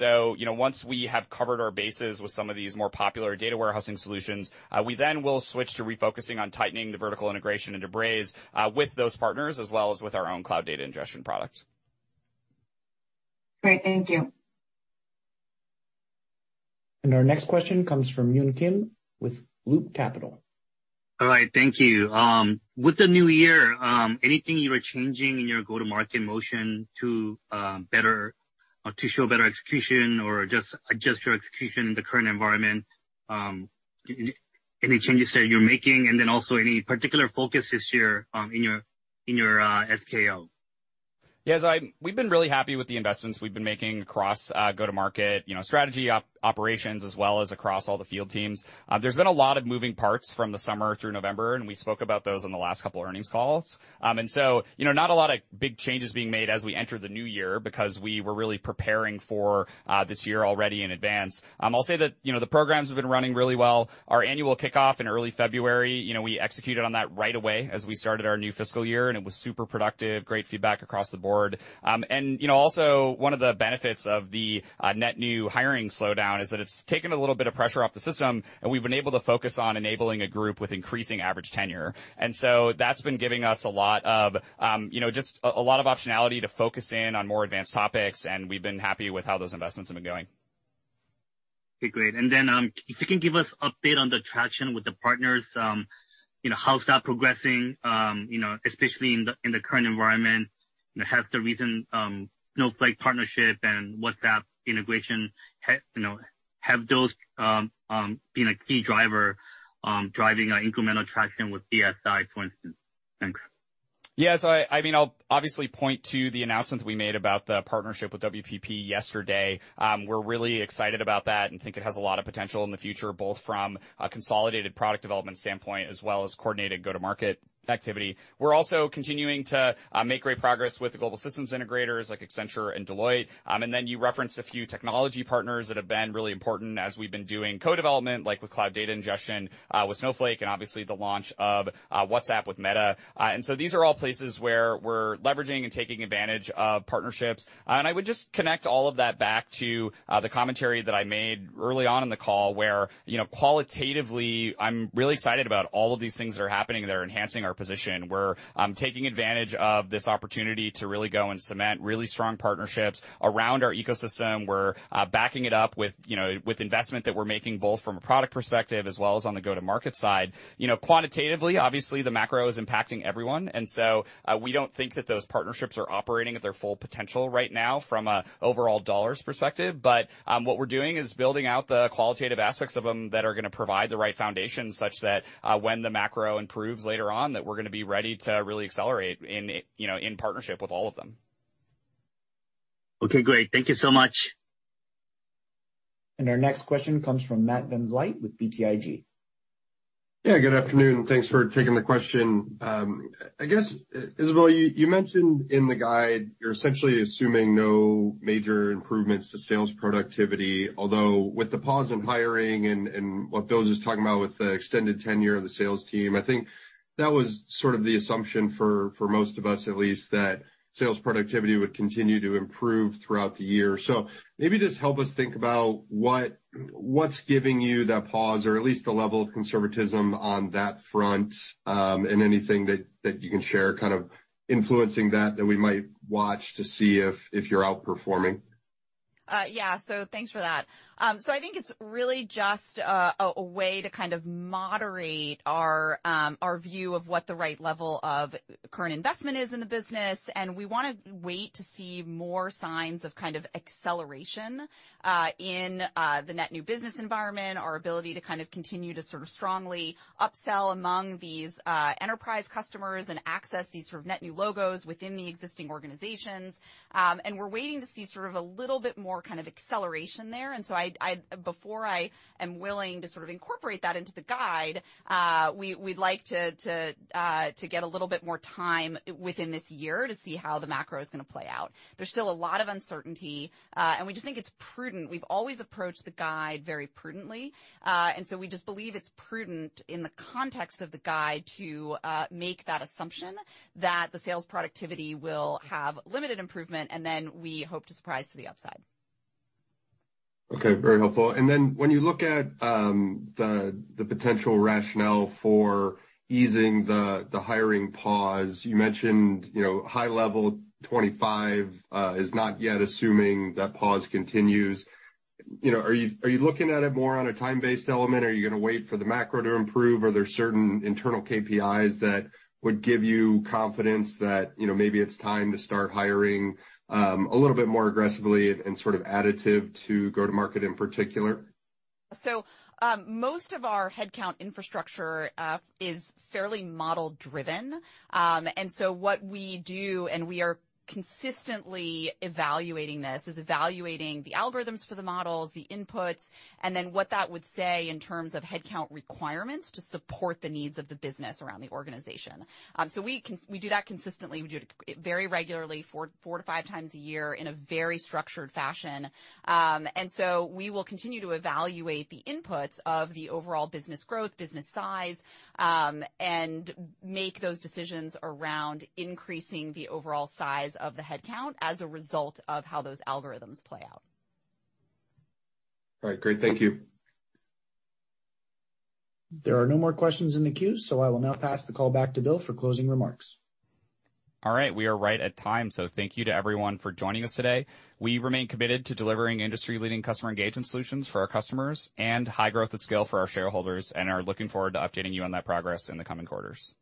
You know, once we have covered our bases with some of these more popular data warehousing solutions, we then will switch to refocusing on tightening the vertical integration into Braze, with those partners as well as with our own Cloud Data Ingestion product. Great. Thank you. Our next question comes from Yun Kim with Loop Capital. All right, thank you. With the new year, anything you are changing in your go-to-market motion to better or to show better execution or adjust your execution in the current environment? Any changes that you're making and then also any particular focus this year in your SKO? Yes. We've been really happy with the investments we've been making across go-to-market, you know, strategy operations, as well as across all the field teams. There's been a lot of moving parts from the summer through November, we spoke about those on the last couple of earnings calls. You know, not a lot of big changes being made as we enter the new year because we were really preparing for this year already in advance. I'll say that, you know, the programs have been running really well. Our annual kickoff in early February, you know, we executed on that right away as we started our new fiscal year, and it was super productive, great feedback across the board. You know, also one of the benefits of the net new hiring slowdown is that it's taken a little bit of pressure off the system, and we've been able to focus on enabling a group with increasing average tenure. That's been giving us a lot of, you know, just a lot of optionality to focus in on more advanced topics, and we've been happy with how those investments have been going. Okay, great. If you can give us update on the traction with the partners, you know, how's that progressing, you know, especially in the, in the current environment. Has the recent Snowflake partnership and WhatsApp integration you know, have those been a key driver, driving incremental traction with GSIs, for instance? Thanks. Yes. I mean, I'll obviously point to the announcement we made about the partnership with WPP yesterday. We're really excited about that and think it has a lot of potential in the future, both from a consolidated product development standpoint as well as coordinated go-to-market activity. We're also continuing to make great progress with the Global System Integrators like Accenture and Deloitte. Then you referenced a few technology partners that have been really important as we've been doing co-development, like with Cloud Data Ingestion, with Snowflake and obviously the launch of WhatsApp with Meta. These are all places where we're leveraging and taking advantage of partnerships. I would just connect all of that back to the commentary that I made early on in the call, where, you know, qualitatively, I'm really excited about all of these things that are happening that are enhancing our position. We're taking advantage of this opportunity to really go and cement really strong partnerships around our ecosystem. We're backing it up with, you know, with investment that we're making both from a product perspective as well as on the go-to-market side. You know, quantitatively, obviously, the macro is impacting everyone, we don't think that those partnerships are operating at their full potential right now from a overall dollars perspective. What we're doing is building out the qualitative aspects of them that are gonna provide the right foundation such that, when the macro improves later on, that we're gonna be ready to really accelerate in, you know, in partnership with all of them. Okay, great. Thank you so much. Our next question comes from Matt VanVliet with BTIG. Good afternoon, and thanks for taking the question. I guess, Isabelle, you mentioned in the guide you're essentially assuming no major improvements to sales productivity, although with the pause in hiring and what Bill was talking about with the extended tenure of the sales team, I think that was sort of the assumption for most of us, at least, that sales productivity would continue to improve throughout the year. Maybe just help us think about what's giving you that pause, or at least the level of conservatism on that front, and anything that you can share, kind of influencing that we might watch to see if you're outperforming. Yeah. Thanks for that. I think it's really just a way to kind of moderate our view of what the right level of current investment is in the business. We wanna wait to see more signs of kind of acceleration in the net new business environment, our ability to kind of continue to sort of strongly upsell among these enterprise customers and access these sort of net new logos within the existing organizations. We're waiting to see sort of a little bit more kind of acceleration there. Before I am willing to sort of incorporate that into the guide, we'd like to get a little bit more time within this year to see how the macro is gonna play out. There's still a lot of uncertainty, and we just think it's prudent. We've always approached the guide very prudently. So we just believe it's prudent in the context of the guide to make that assumption that the sales productivity will have limited improvement, and then we hope to surprise to the upside. Okay, very helpful. When you look at the potential rationale for easing the hiring pause, you mentioned, you know, high-level 25 is not yet assuming that pause continues. Are you looking at it more on a time-based element? Are you gonna wait for the macro to improve, or are there certain internal KPIs that would give you confidence that, you know, maybe it's time to start hiring a little bit more aggressively and sort of additive to go to market in particular? Most of our headcount infrastructure is fairly model-driven. What we do, and we are consistently evaluating this, is evaluating the algorithms for the models, the inputs, and then what that would say in terms of headcount requirements to support the needs of the business around the organization. We do that consistently. We do it very regularly, 4 times-5 times a year in a very structured fashion. We will continue to evaluate the inputs of the overall business growth, business size, and make those decisions around increasing the overall size of the headcount as a result of how those algorithms play out. All right, great. Thank you. There are no more questions in the queue, so I will now pass the call back to Bill for closing remarks. All right. We are right at time, so thank you to everyone for joining us today. We remain committed to delivering industry-leading customer engagement solutions for our customers and high growth at scale for our shareholders, and are looking forward to updating you on that progress in the coming quarters.